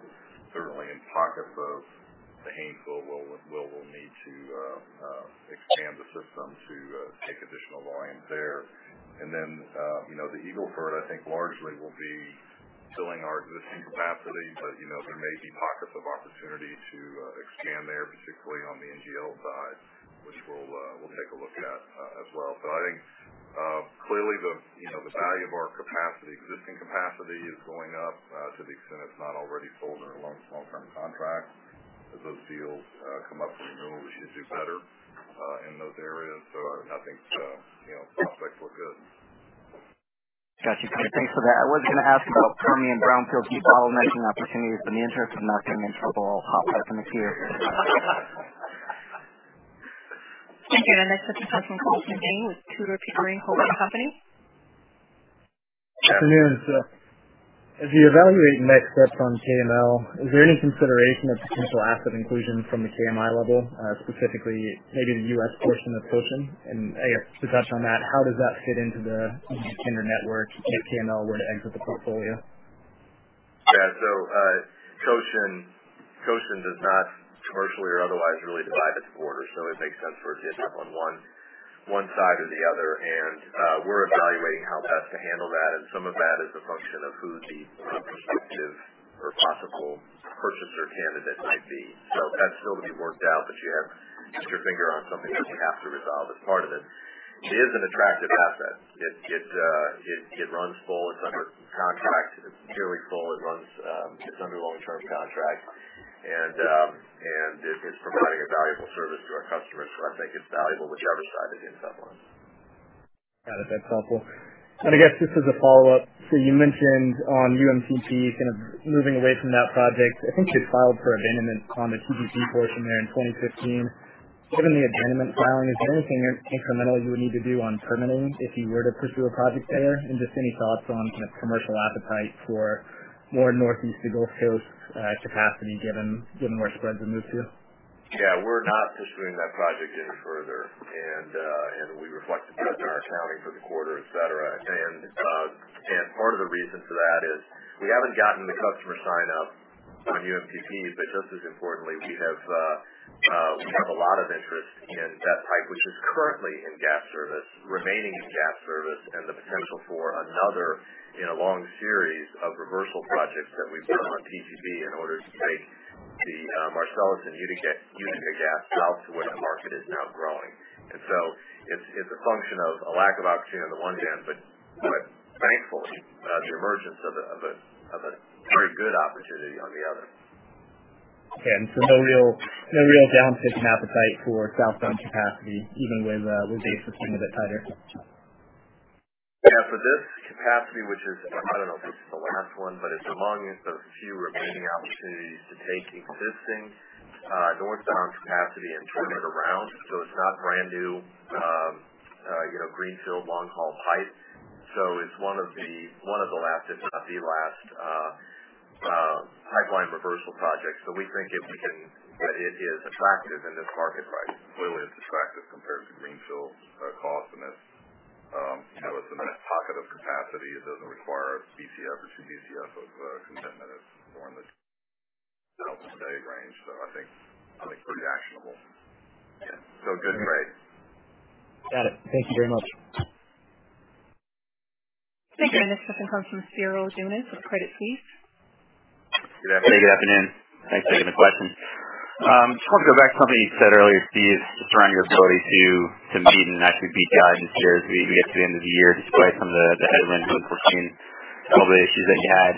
certainly in pockets of the Haynesville, where we'll need to expand the system to take additional volume there. The Eagle Ford, I think largely we'll be filling our existing capacity. There may be pockets of opportunity to expand there, particularly on the NGL side, which we'll take a look at as well. Clearly the value of our existing capacity is going up to the extent it's not already sold under long-term contracts. As those deals come up for renewal, we should do better in those areas. The prospects look good. Got you. Thanks for that. I was going to ask about Permian brownfield deep oil mentioned opportunities, in the interest of not getting in trouble, I'll hop back in the queue. Thank you. The next participant comes from Gene with Tudor, Pickering, Holt & Co. Good afternoon. As you evaluate next steps on KML, is there any consideration of potential asset inclusion from the KMI level, specifically maybe the U.S. portion of Cochin? I guess, to touch on that, how does that fit into the Kinder Network KML were to exit the portfolio? Cochin does not commercially or otherwise really divide at the border, it makes sense for it to end up on one side or the other. We're evaluating how best to handle that, and some of that is a function of who the prospective or possible purchaser candidate might be. That's nobody worked out that you have your finger on somebody that you have to resolve as part of it. It is an attractive asset. It runs full. It's under contract. It's purely full. It's under long-term contract, and it is providing a valuable service to our customers. I think it's valuable whichever side it ends up on. Got it. That's helpful. I guess this is a follow-up. You mentioned on UMTP, kind of moving away from that project. I think you filed for abandonment on the PGP portion there in 2015. Given the abandonment filing, is there anything incremental you would need to do on permitting if you were to pursue a project there? Just any thoughts on commercial appetite for more Northeast to Gulf Coast capacity given where spreads have moved to? We're not pursuing that project any further. We reflect that in our accounting for the quarter, et cetera. Part of the reason for that is we haven't gotten the customer sign-up on UMTP. Just as importantly, we have a lot of interest in that pipe, which is currently in gas service, remaining in gas service, and the potential for another in a long series of reversal projects that we've done on PTP in order to take the Marcellus and Utica gas south to where the market is now growing. It's a function of a lack of opportunity on the one hand, thankfully, the emergence of a very good opportunity on the other. No real downside in appetite for southbound capacity even with bases being a bit tighter? Yeah, for this capacity, which is, I don't know if this is the last one, but it's among the few remaining opportunities to take existing northbound capacity and turn it around. It's not brand new, greenfield, long-haul pipe. It's one of the last, if not the last, pipeline reversal projects. We think it is attractive in this market right now. Clearly, it's attractive compared to greenfield cost, and it's a net pocket of capacity. It doesn't require Bcf or 2 Bcf of commitment. It's more in the couple-a-day range. I think pretty actionable. Yeah. Good grade. Got it. Thank you very much. Thank you. The next question comes from Cyril Younes with Credit Suisse. Good afternoon. Hey, good afternoon. Thanks for the questions. Just want to go back to something you said earlier. Steve, surrounding your ability to meet and actually beat guidance here as we get to the end of the year, despite some of the headwinds we've seen, some of the issues that you had.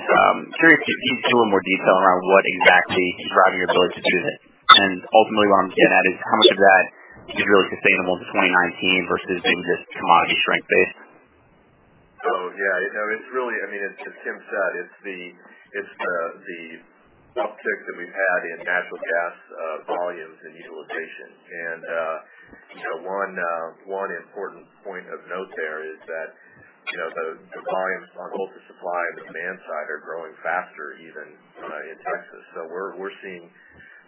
Curious if you can give a little more detail around what exactly is driving your ability to do that. Ultimately what I'm getting at is how much of that is really sustainable to 2019 versus being just commodity strength based? Oh, yeah. As Kim said, it's the uptick that we've had in natural gas volumes and utilization. One important point of note there is that the volumes on both the supply and demand side are growing faster even in Texas. We're seeing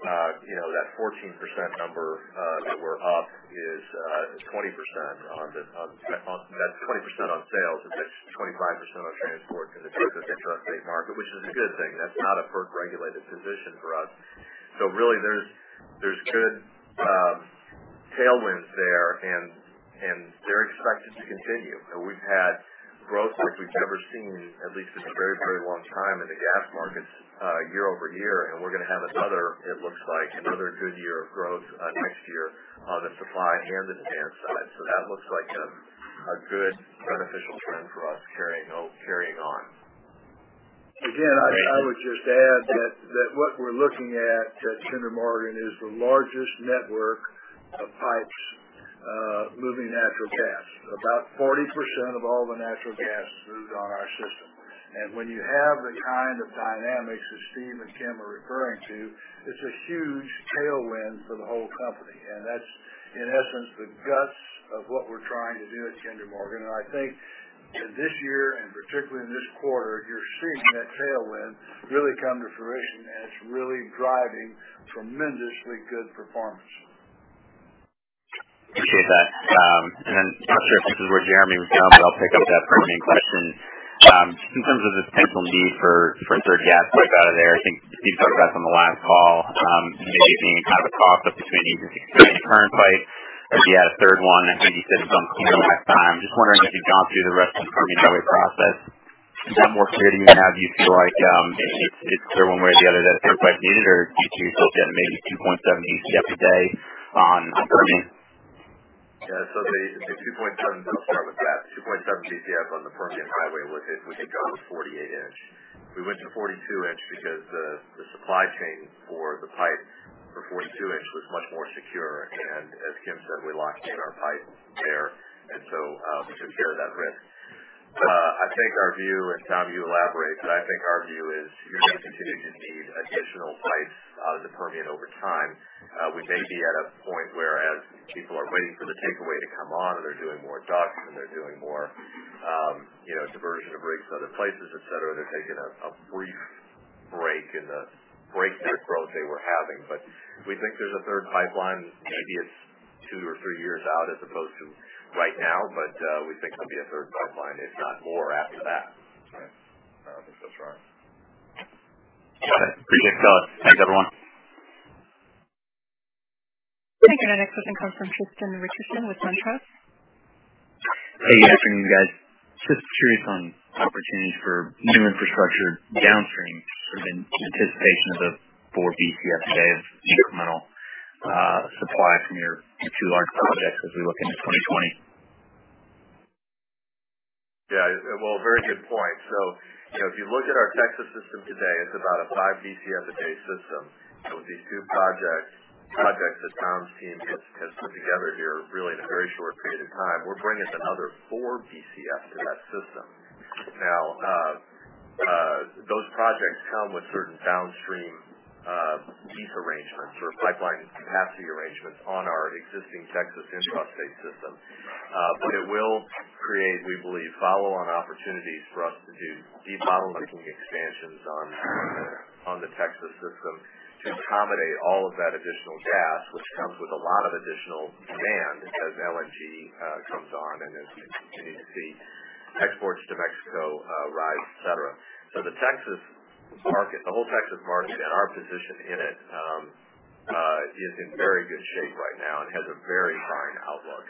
that 14% number that we're up is 20%. That's 20% on sales, and that's 25% on transport in the Texas intrastate market, which is a good thing. That's not a FERC-regulated position for us. Really there's good tailwinds there, and they're expected to continue. We've had growth like we've never seen, at least in a very long time, in the gas markets year-over-year, and we're going to have another, it looks like, another good year of growth next year on the supply and the demand side. That looks like a good beneficial trend for us carrying on. Again, I would just add that what we're looking at at Kinder Morgan is the largest network of pipes moving natural gas. About 40% of all the natural gas is moved on our system. When you have the kind of dynamics that Steve and Kim are referring to, it's a huge tailwind for the whole company, and that's, in essence, the guts of what we're trying to do at Kinder Morgan. I think this year, and particularly in this quarter, you're seeing that tailwind really come to fruition, and it's really driving tremendously good performance. Appreciate that. Not sure if this is where Jeremy was going, but I'll pick up that Permian question. Just in terms of the potential need for a third gas pipe out of there, I think Steve talked about it on the last call, maybe being kind of a toss-up between either expanding a current pipe or if you add a third one. I think you said it's unclear last time. Just wondering if you've gone through the rest of the Permian Highway process. Is that more clear to you now? Do you feel like it's clear one way or the other that a third pipe is needed? Or do you feel good at maybe 2.7 Bcf a day on the Permian? Yeah. The 2.7, I'll start with that. 2.7 Bcf on the Permian Highway would take almost 48 inch. We went to 42 inch because the supply chain for the pipe for 42 inch was much more secure. As Kim said, we locked in our pipe there, we took care of that risk. Tom, you elaborate, but I think our view is you're going to continue to need additional pipes out of the Permian over time. We may be at a point where as people are waiting for the takeaway to come on, they're doing more DUCs and they're doing more diversion of rigs to other places, et cetera, they're taking a brief break in the breakneck growth they were having. We think there's a third pipeline. Maybe it's two or three years out as opposed to right now, we think there'll be a third pipeline, if not more after that. Right. I think that's right. Okay. Appreciate the thought. Thanks, everyone. Thank you. Our next question comes from Tristan Richardson with SunTrust. Hey, good afternoon, guys. Just curious on opportunities for new infrastructure downstream in anticipation of the 4 Bcf a day of incremental supply from your two large projects as we look into 2020. Yeah. Well, very good point. If you look at our Texas system today, it's about a 5 Bcf a day system. With these two projects that Tom's team has put together here really in a very short period of time, we're bringing another 4 Bcf to that system. Those projects come with certain downstream lease arrangements or pipeline capacity arrangements on our existing Texas intrastate system. It will create, we believe, follow-on opportunities for us to do debottlenecking expansions on the Texas system to accommodate all of that additional gas, which comes with a lot of additional demand as LNG comes on, and as we continue to see exports to Mexico rise, et cetera. The whole Texas market and our position in it is in very good shape right now and has a very fine outlook.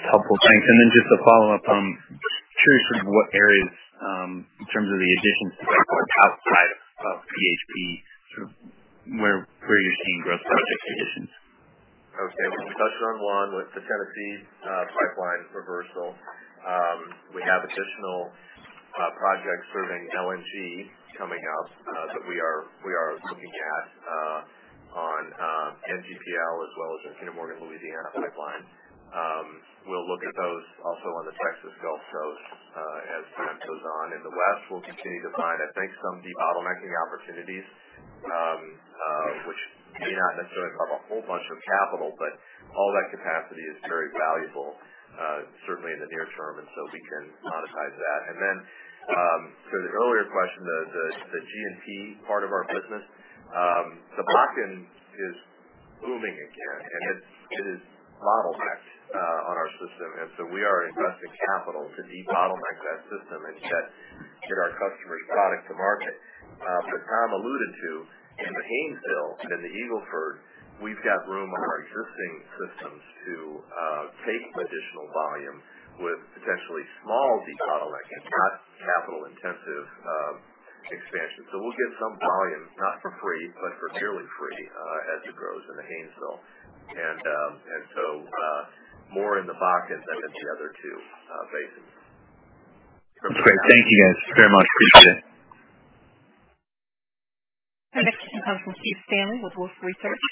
Helpful. Thanks. Just to follow up, curious what areas in terms of the additions to the pipeline outside of PHP, where you're seeing growth project additions? Okay. We touched on one with the Tennessee pipeline reversal. We have additional projects serving LNG coming out that we are looking at on NGPL as well as the Kinder Morgan Louisiana Pipeline. We'll look at those also on the Texas Gulf Coast as time goes on. In the West, we'll continue to find, I think, some debottlenecking opportunities, which may not necessarily involve a whole bunch of capital, but all that capacity is very valuable, certainly in the near term, so we can monetize that. To the earlier question, the G&P part of our business. The Bakken is booming again, and it is bottlenecked on our system. So we are investing capital to debottleneck that system and get our customers' product to market. Tom alluded to, in the Haynesville, in the Eagle Ford, we've got room on our existing systems to take additional volume with potentially small debottlenecking, not capital intensive expansion. We'll get some volume, not for free, but for nearly free as it grows in the Haynesville. More in the Bakken than in the other two basins. That's great. Thank you guys very much. Appreciate it. Our next question comes from Keith Stanley with Wolfe Research.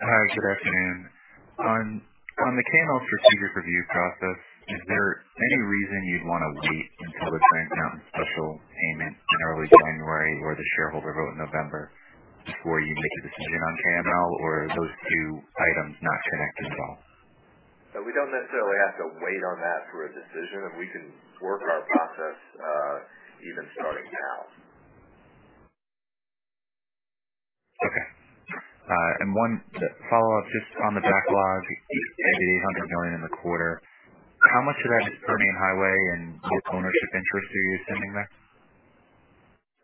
Hi. Good afternoon. On the KML strategic review process, is there any reason you'd want to wait until the Trans Mountain special payment in early January or the shareholder vote in November before you make a decision on KML, or are those two items not connected at all? We don't necessarily have to wait on that for a decision. We can work our process even starting now. Okay. One follow-up just on the backlog, maybe $800 million in the quarter. How much of that is Permian Highway and what ownership interest are you assuming there?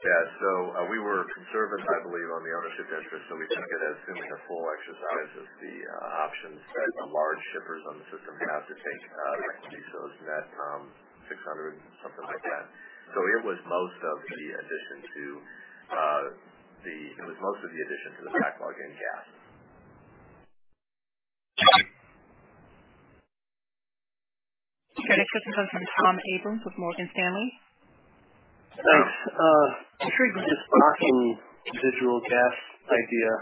Yeah. We were conservative, I believe, on the ownership interest. We kind of get assuming a full exercise of the options that the large shippers on the system have to take extra pieces, net 600, something like that. It was most of the addition to the backlog in gas. Your next question comes from Thomas Abrams with Morgan Stanley. Thanks. This Bakken residual gas idea,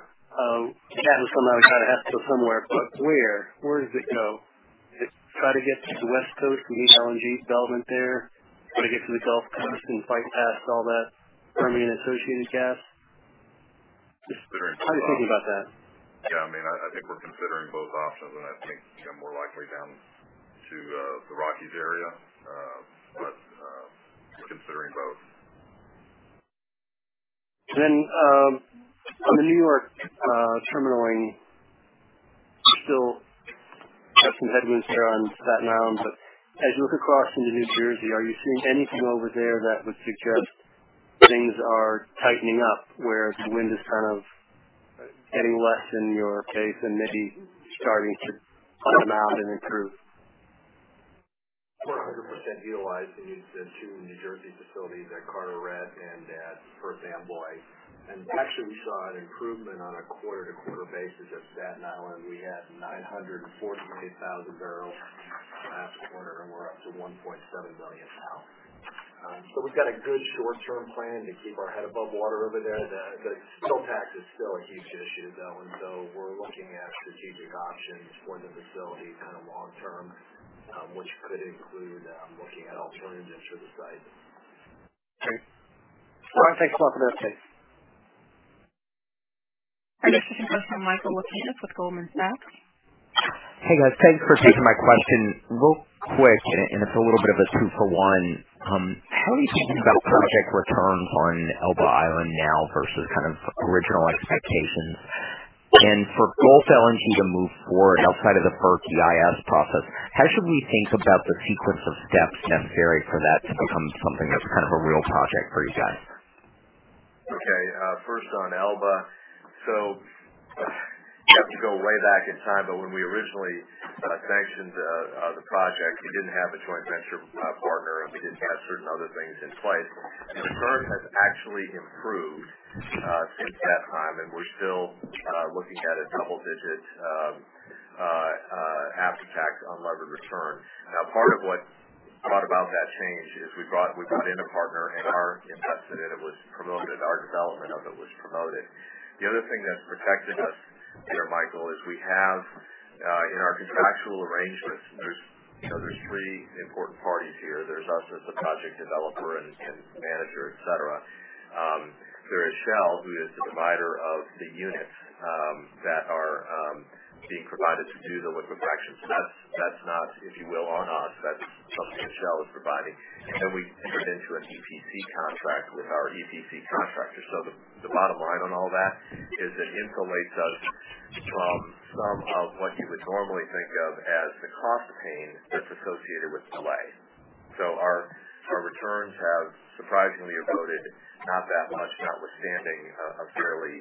that was somehow got to have to go somewhere, but where? Where does it go? It try to get to the West Coast and meet LNG development there? Would it get to the Gulf Coast and fight past all that Permian associated gas? Considering both. How are you thinking about that? Yeah, I think we're considering both options, I think more likely down to the Rockies area. We're considering both. On the New York terminaling, still have some headwinds there on Staten Island, as you look across into New Jersey, are you seeing anything over there that would suggest things are tightening up, where the wind is kind of getting less in your face and maybe starting to come out and improve? We're 100% utilized in the two New Jersey facilities at Carteret and at Perth Amboy. Actually, we saw an improvement on a quarter-to-quarter basis at Staten Island. We had 948,000 barrels last quarter, and we're up to 1.7 million now. We've got a good short-term plan to keep our head above water over there. The spill tax is still a huge issue, though. We're looking at strategic options for the facility long-term, which could include looking at alternative uses for the site. Great. Thanks. Our next question comes from Michael Latona with Goldman Sachs. Hey, guys. Thanks for taking my question. Real quick, it's a little bit of a two for one. How are you thinking about project returns on Elba Island now versus original expectations? For Gulf LNG to move forward outside of the FERC EIS process, how should we think about the sequence of steps necessary for that to become something that's a real project for you guys? Okay. First on Elba. You have to go way back in time, but when we originally sanctioned the project, we didn't have a joint venture partner, and we didn't have certain other things in place. The curve has actually improved since that time, and we're still looking at a double-digit after-tax unlevered return. Part of what brought about that change is we brought in a partner and our investment in it was promoted, our development of it was promoted. The other thing that's protected us there, Michael, is we have in our contractual arrangements, there's three important parties here. There's us as the project developer and manager, et cetera. There is Shell, who is the provider of the units that are being provided to do the liquefaction. That's not, if you will, on us. That's something that Shell is providing. We entered into an EPC contract with our EPC contractor. The bottom line on all that is it insulates us from some of what you would normally think of as the cost pain that's associated with delay. Our returns have surprisingly eroded not that much, notwithstanding a fairly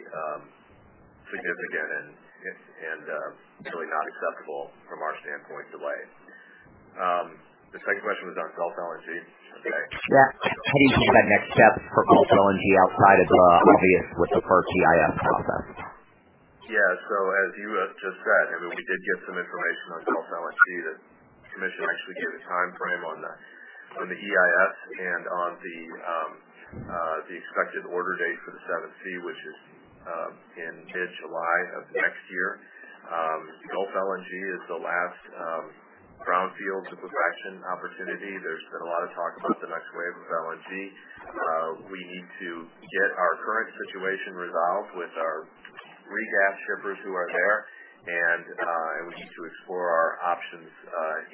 significant and really not acceptable from our standpoint, delay. The second question was on Gulf LNG, okay. Yeah. How do you think of that next step for Gulf LNG outside of the obvious with the FERC EIS process? Yeah. As you just said, we did get some information on Gulf LNG that the commission actually gave a timeframe on the EIS and on the expected order date for the Section 7(c), which is in mid-July of next year. Gulf LNG is the last brownfield liquefaction opportunity. There's been a lot of talk about the next wave of LNG. We need to get our current situation resolved with our regas shippers who are there, and we need to explore our options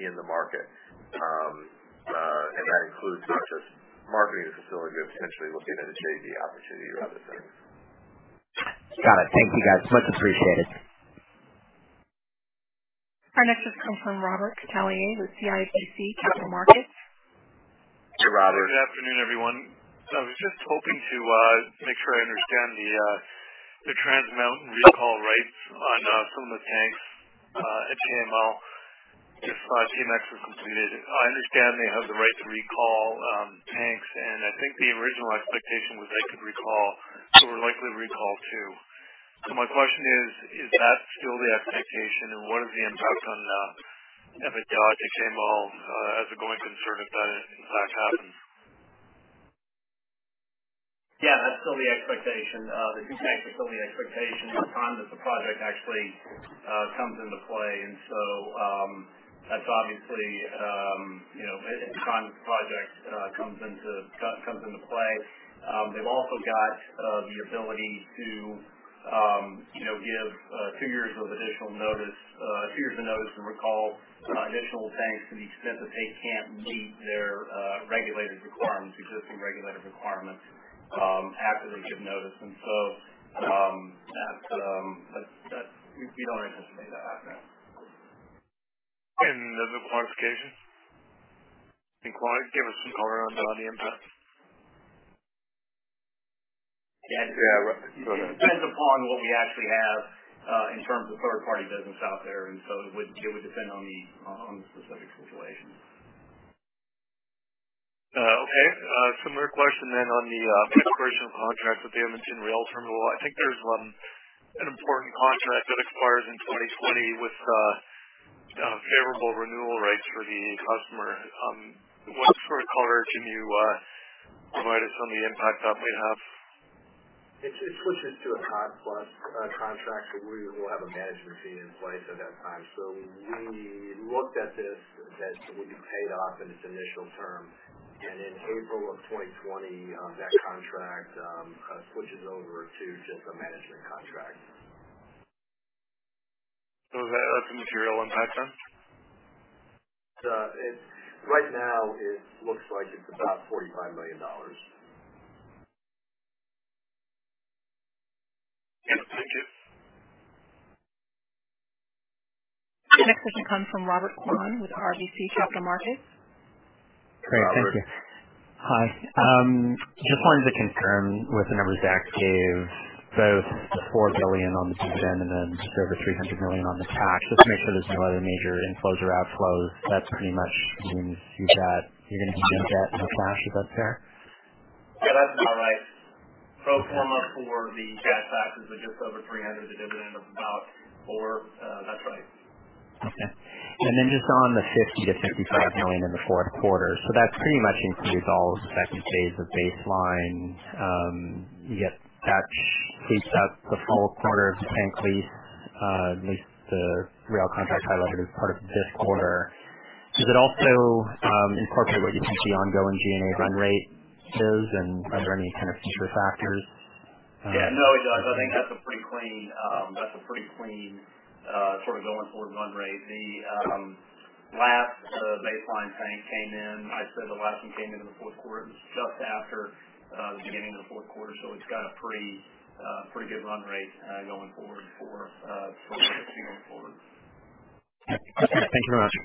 in the market. That includes not just marketing the facility, but potentially looking at a JV opportunity or other things. Got it. Thank you, guys. Much appreciated. Our next comes from Robert Catellier with CIBC Capital Markets. Hey, Robert. Good afternoon, everyone. I was just hoping to make sure I understand the Trans Mountain recall rights on some of the tanks at KML. If TMX were completed, I understand they have the right to recall tanks, and I think the original expectation was they could recall or likely recall two. My question is that still the expectation, and what is the impact on EBITDA at TMO as a going concern if that in fact happens? Yeah, that's still the expectation. The two tanks is still the expectation the time that the project actually comes into play. That's obviously, in time, the project comes into play. They've also got the ability to give two years of notice to recall additional tanks to the extent that they can't meet their existing regulated requirements after they give notice. You don't anticipate that happening. The quantification? In quantity, give us some color on the impact. Yeah. Yeah. It depends upon what we actually have in terms of third-party business out there. So it would depend on the specific situation. Okay. Similar question then on the expiration of contracts with the Edmonton rail terminal. I think there's an important contract that expires in 2020 with favorable renewal rates for the customer. What sort of color can you provide us on the impact that might have? It switches to a hard plus contract, we will have a management fee in place at that time. We looked at this as it would be paid off in its initial term. In April of 2020, that contract switches over to just a management contract. Is that a material impact then? Right now, it looks like it's about $45 million. Yeah. Thank you. Next question comes from Robert Kwan with RBC Capital Markets. Great, thank you. Robert. Hi. Just wanted to confirm with the numbers Dax gave, both the $4 billion on the dividend and then just over $300 million on the tax, just to make sure there's no other major inflows or outflows. That's pretty much when you see that, even including debt and the cash, is that fair? Yeah, that's about right. Pro forma for the cash taxes of just over $300 million, the dividend of about $4 billion. That's right. Okay. Just on the $50 million-$55 million in the fourth quarter. That pretty much includes all of the phase 2 of Base Line Terminal. You get that, keeps that the full quarter of the tank lease, at least the rail contract highlighted as part of this quarter. Does it also incorporate what you think the ongoing G&A run rate is, and are there any kind of future factors? Yeah, no, it does. I think that's a pretty clean sort of going forward run rate. The last baseline tank came in, I'd say the last one came into the fourth quarter, just after the beginning of the fourth quarter. It's got a pretty good run rate going forward for the next year going forward. Okay. Thank you very much.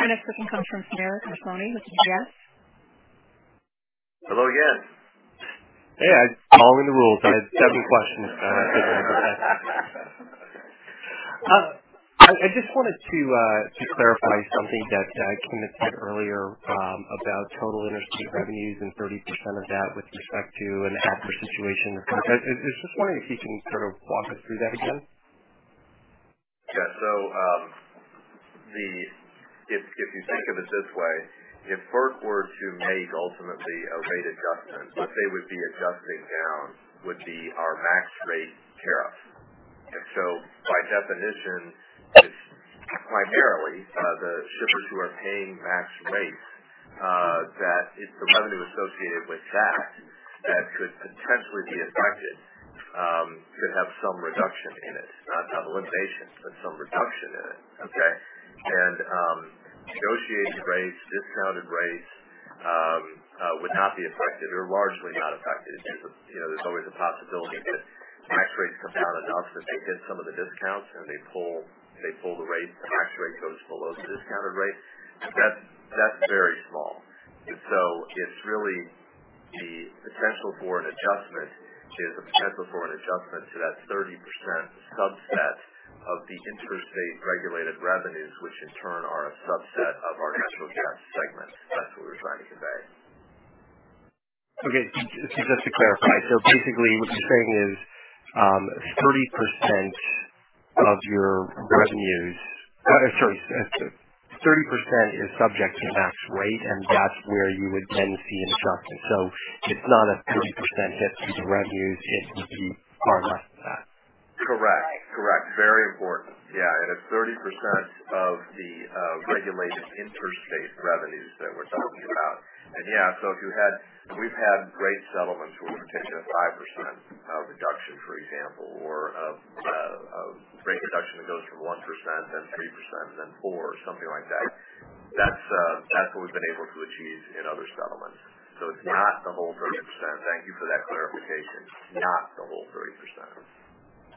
Our next question comes from Shneur Gershuni with GS. Hello, again. Hey, I'm following the rules. I had seven questions prepared. I just wanted to clarify something that came up earlier, about total interstate revenues and 30% of that with respect to an adverse situation. I was just wondering if you can sort of walk us through that again. Yeah. If you think of it this way, if FERC were to make ultimately a rate adjustment, what they would be adjusting down would be our max rate tariff. By definition, it's primarily the shippers who are paying max rates, that it's the revenue associated with that could potentially be affected, could have some reduction in it. Not elimination, but some reduction in it. Okay? Negotiated rates, discounted rates would not be affected or largely not affected. There's always a possibility that max rates come down enough that they hit some of the discounts and they pull the rate. The max rate goes below the discounted rate. That's very small. It's really the potential for an adjustment is a potential for an adjustment to that 30% subset of the interstate regulated revenues, which in turn are a subset of our natural gas segment. That's what we were trying to convey. Okay. Just to clarify, basically what you're saying is 30% of your revenues. 30% is subject to max rate, and that's where you would then see an adjustment. It's not a 30% hit to the revenues, it would be far less than that. Correct. Very important. It's 30% of the regulated interstate revenues that we're talking about. We've had rate settlements where we've taken a 5% reduction, for example, or a rate reduction that goes from 1%, then 3%, then 4%, or something like that. That's what we've been able to achieve in other settlements. It's not the whole 30%. Thank you for that clarification. Not the whole 30%.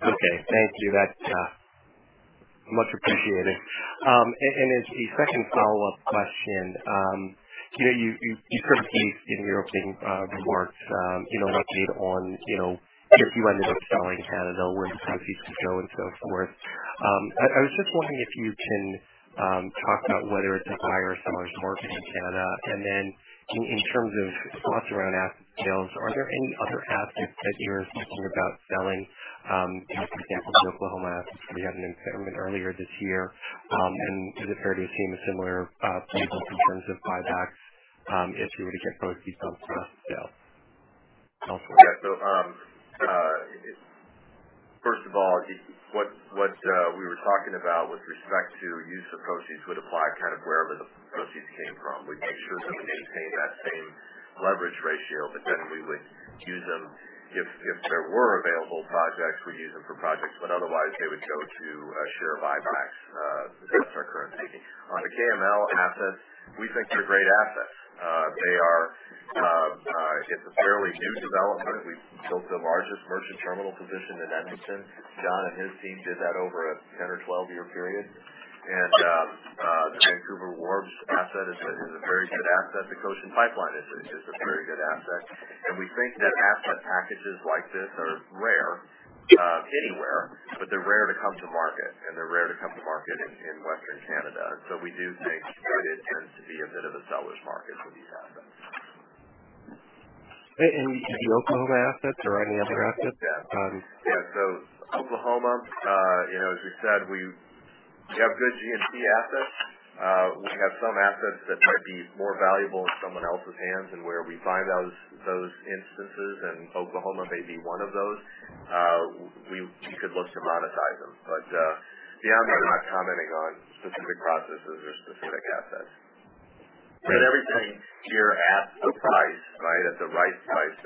Okay. Thank you. That clarifies. Much appreciated. As a second follow-up question, you sort of teased in your opening remarks an update on if you ended up selling Canada, where the proceeds would go and so forth. I was just wondering if you can talk about whether it's a buyer or seller's market in Canada, and then in terms of thoughts around asset sales, are there any other assets that you're thinking about selling? For example, the Oklahoma assets where you had an impairment earlier this year. Is it fair to assume a similar playbook in terms of buybacks if you were to get proceeds from a sale? First of all, what we were talking about with respect to use of proceeds would apply wherever the proceeds came from. We'd make sure that we maintain that same leverage ratio, but then we would use them, if there were available projects, we'd use them for projects, but otherwise they would go to a share of buybacks. That's our current thinking. On the KML assets, we think they're great assets. It's a fairly new development. We've built the largest merchant terminal position in Edmonton. John and his team did that over a 10 or 12-year period. The Vancouver Wharves asset is a very good asset. The Cochin Pipeline is just a very good asset. We think that asset packages like this are rare anywhere, but they're rare to come to market, and they're rare to come to market in Western Canada. We do think it tends to be a bit of a seller's market for these assets. The Oklahoma assets or any other assets? Yeah. Oklahoma, as you said, we have good G&P assets. We have some assets that might be more valuable in someone else's hands, and where we find those instances, Oklahoma may be one of those, we could look to monetize them. Beyond that, I'm not commenting on specific processes or specific assets. Everything here at the price, at the right price.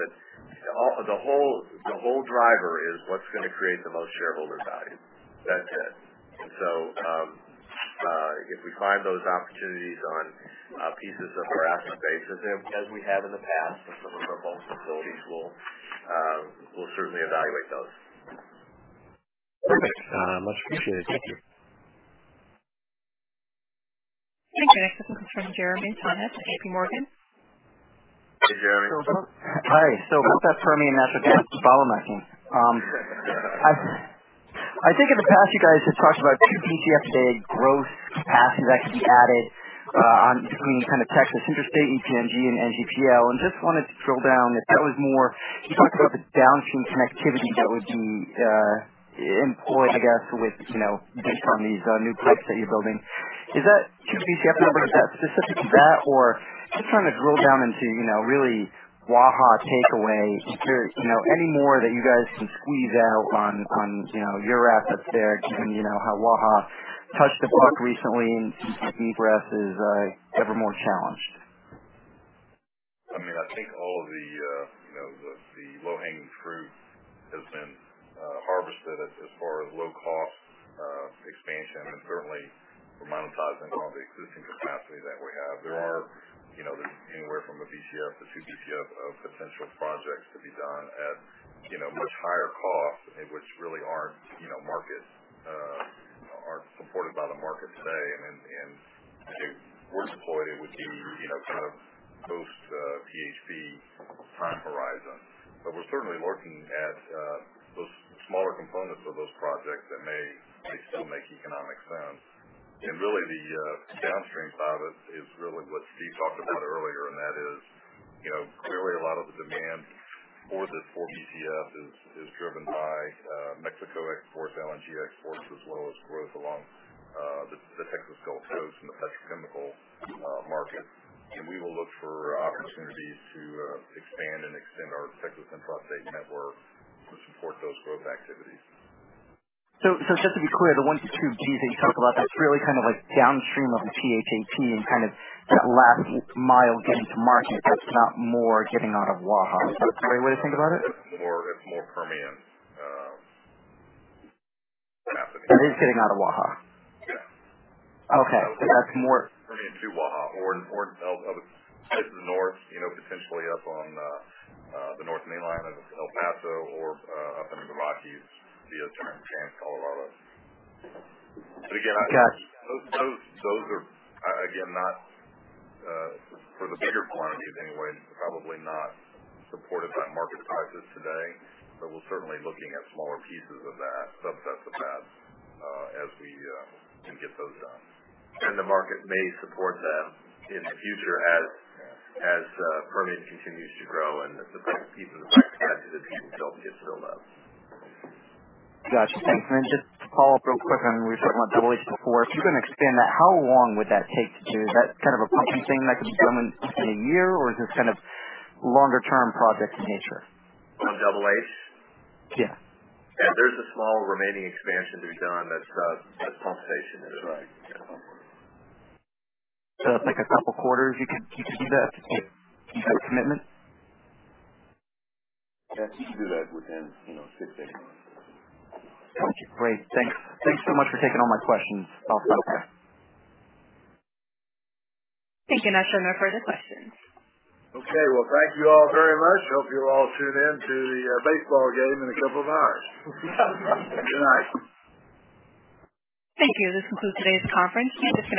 The whole driver is what's going to create the most shareholder value. That's it. If we find those opportunities on pieces of our asset base, as we have in the past with some of our bulk facilities, we'll certainly evaluate those. Perfect. Much appreciated. Thank you. Thank you. Next up is from Jeremy Tonet at J.P. Morgan. Hey, Jeremy. Hi. With that Permian asset base to follow my team. I think in the past, you guys have talked about 2 Bcf a day growth capacity that could be added between Texas Interstate, EPNG, and NGPL. You talked about the downstream connectivity that would be employed, I guess, based on these new pipes that you're building. Is that 2 Bcf number, is that specific to that? Just trying to drill down into really Waha takeaway, any more that you guys can squeeze out on your assets there, given how Waha touched the puck recently and deep breath is ever more challenged. I think all of the low-hanging fruit has been harvested as far as low-cost expansion and certainly we're monetizing all the existing capacity that we have. There's anywhere from a Bcf to 2 Bcf of potential projects to be done at much higher cost, which really aren't supported by the market today. If it were deployed, it would be post PHP time horizon. We're certainly looking at those smaller components of those projects that may still make economic sense. Really the downstream side of it is really what Steve talked about earlier, and that is clearly a lot of the demand for this four Bcf is driven by Mexico exports, LNG exports, as well as growth along the Texas Gulf Coast and the petrochemical market. We will look for opportunities to expand and extend our Texas intrastate network to support those growth activities. just to be clear, the one to two Bcf that you talked about, that's really downstream of the Waha and that last mile getting to market. That's not more getting out of Waha. Is that the right way to think about it? It's more Permian happening. That is getting out of Waha? Yeah. Okay. That's more. Permian to Waha or other sites to the north, potentially up on the north main line out of El Paso or up into the Rockies via TransCanada. Got it. Those are, again, for the bigger quantities anyway, probably not supported by market prices today. We're certainly looking at smaller pieces of that, subsets of that, as we can get those done. The market may support them in the future as Permian continues to grow and as the big pieces of pipe capacity we built get filled up. Got you. Thanks. Just to follow up real quick on what you were talking about Double H before. If you're going to expand that, how long would that take to do? Is that kind of a pumping thing that could be done within a year? Is this longer-term project in nature? On Double H? Yeah. There's a small remaining expansion to be done. That's pump station inside. That's like a couple quarters you could see that commitment? Yeah, we could do that within six to eight months. Got you. Great. Thanks. Thanks so much for taking all my questions. I'll step out. Thank you. Now showing no further questions. Okay. Well, thank you all very much. Hope you all tune in to the baseball game in a couple of hours. Good night. Thank you. This concludes today's conference. You may disconnect.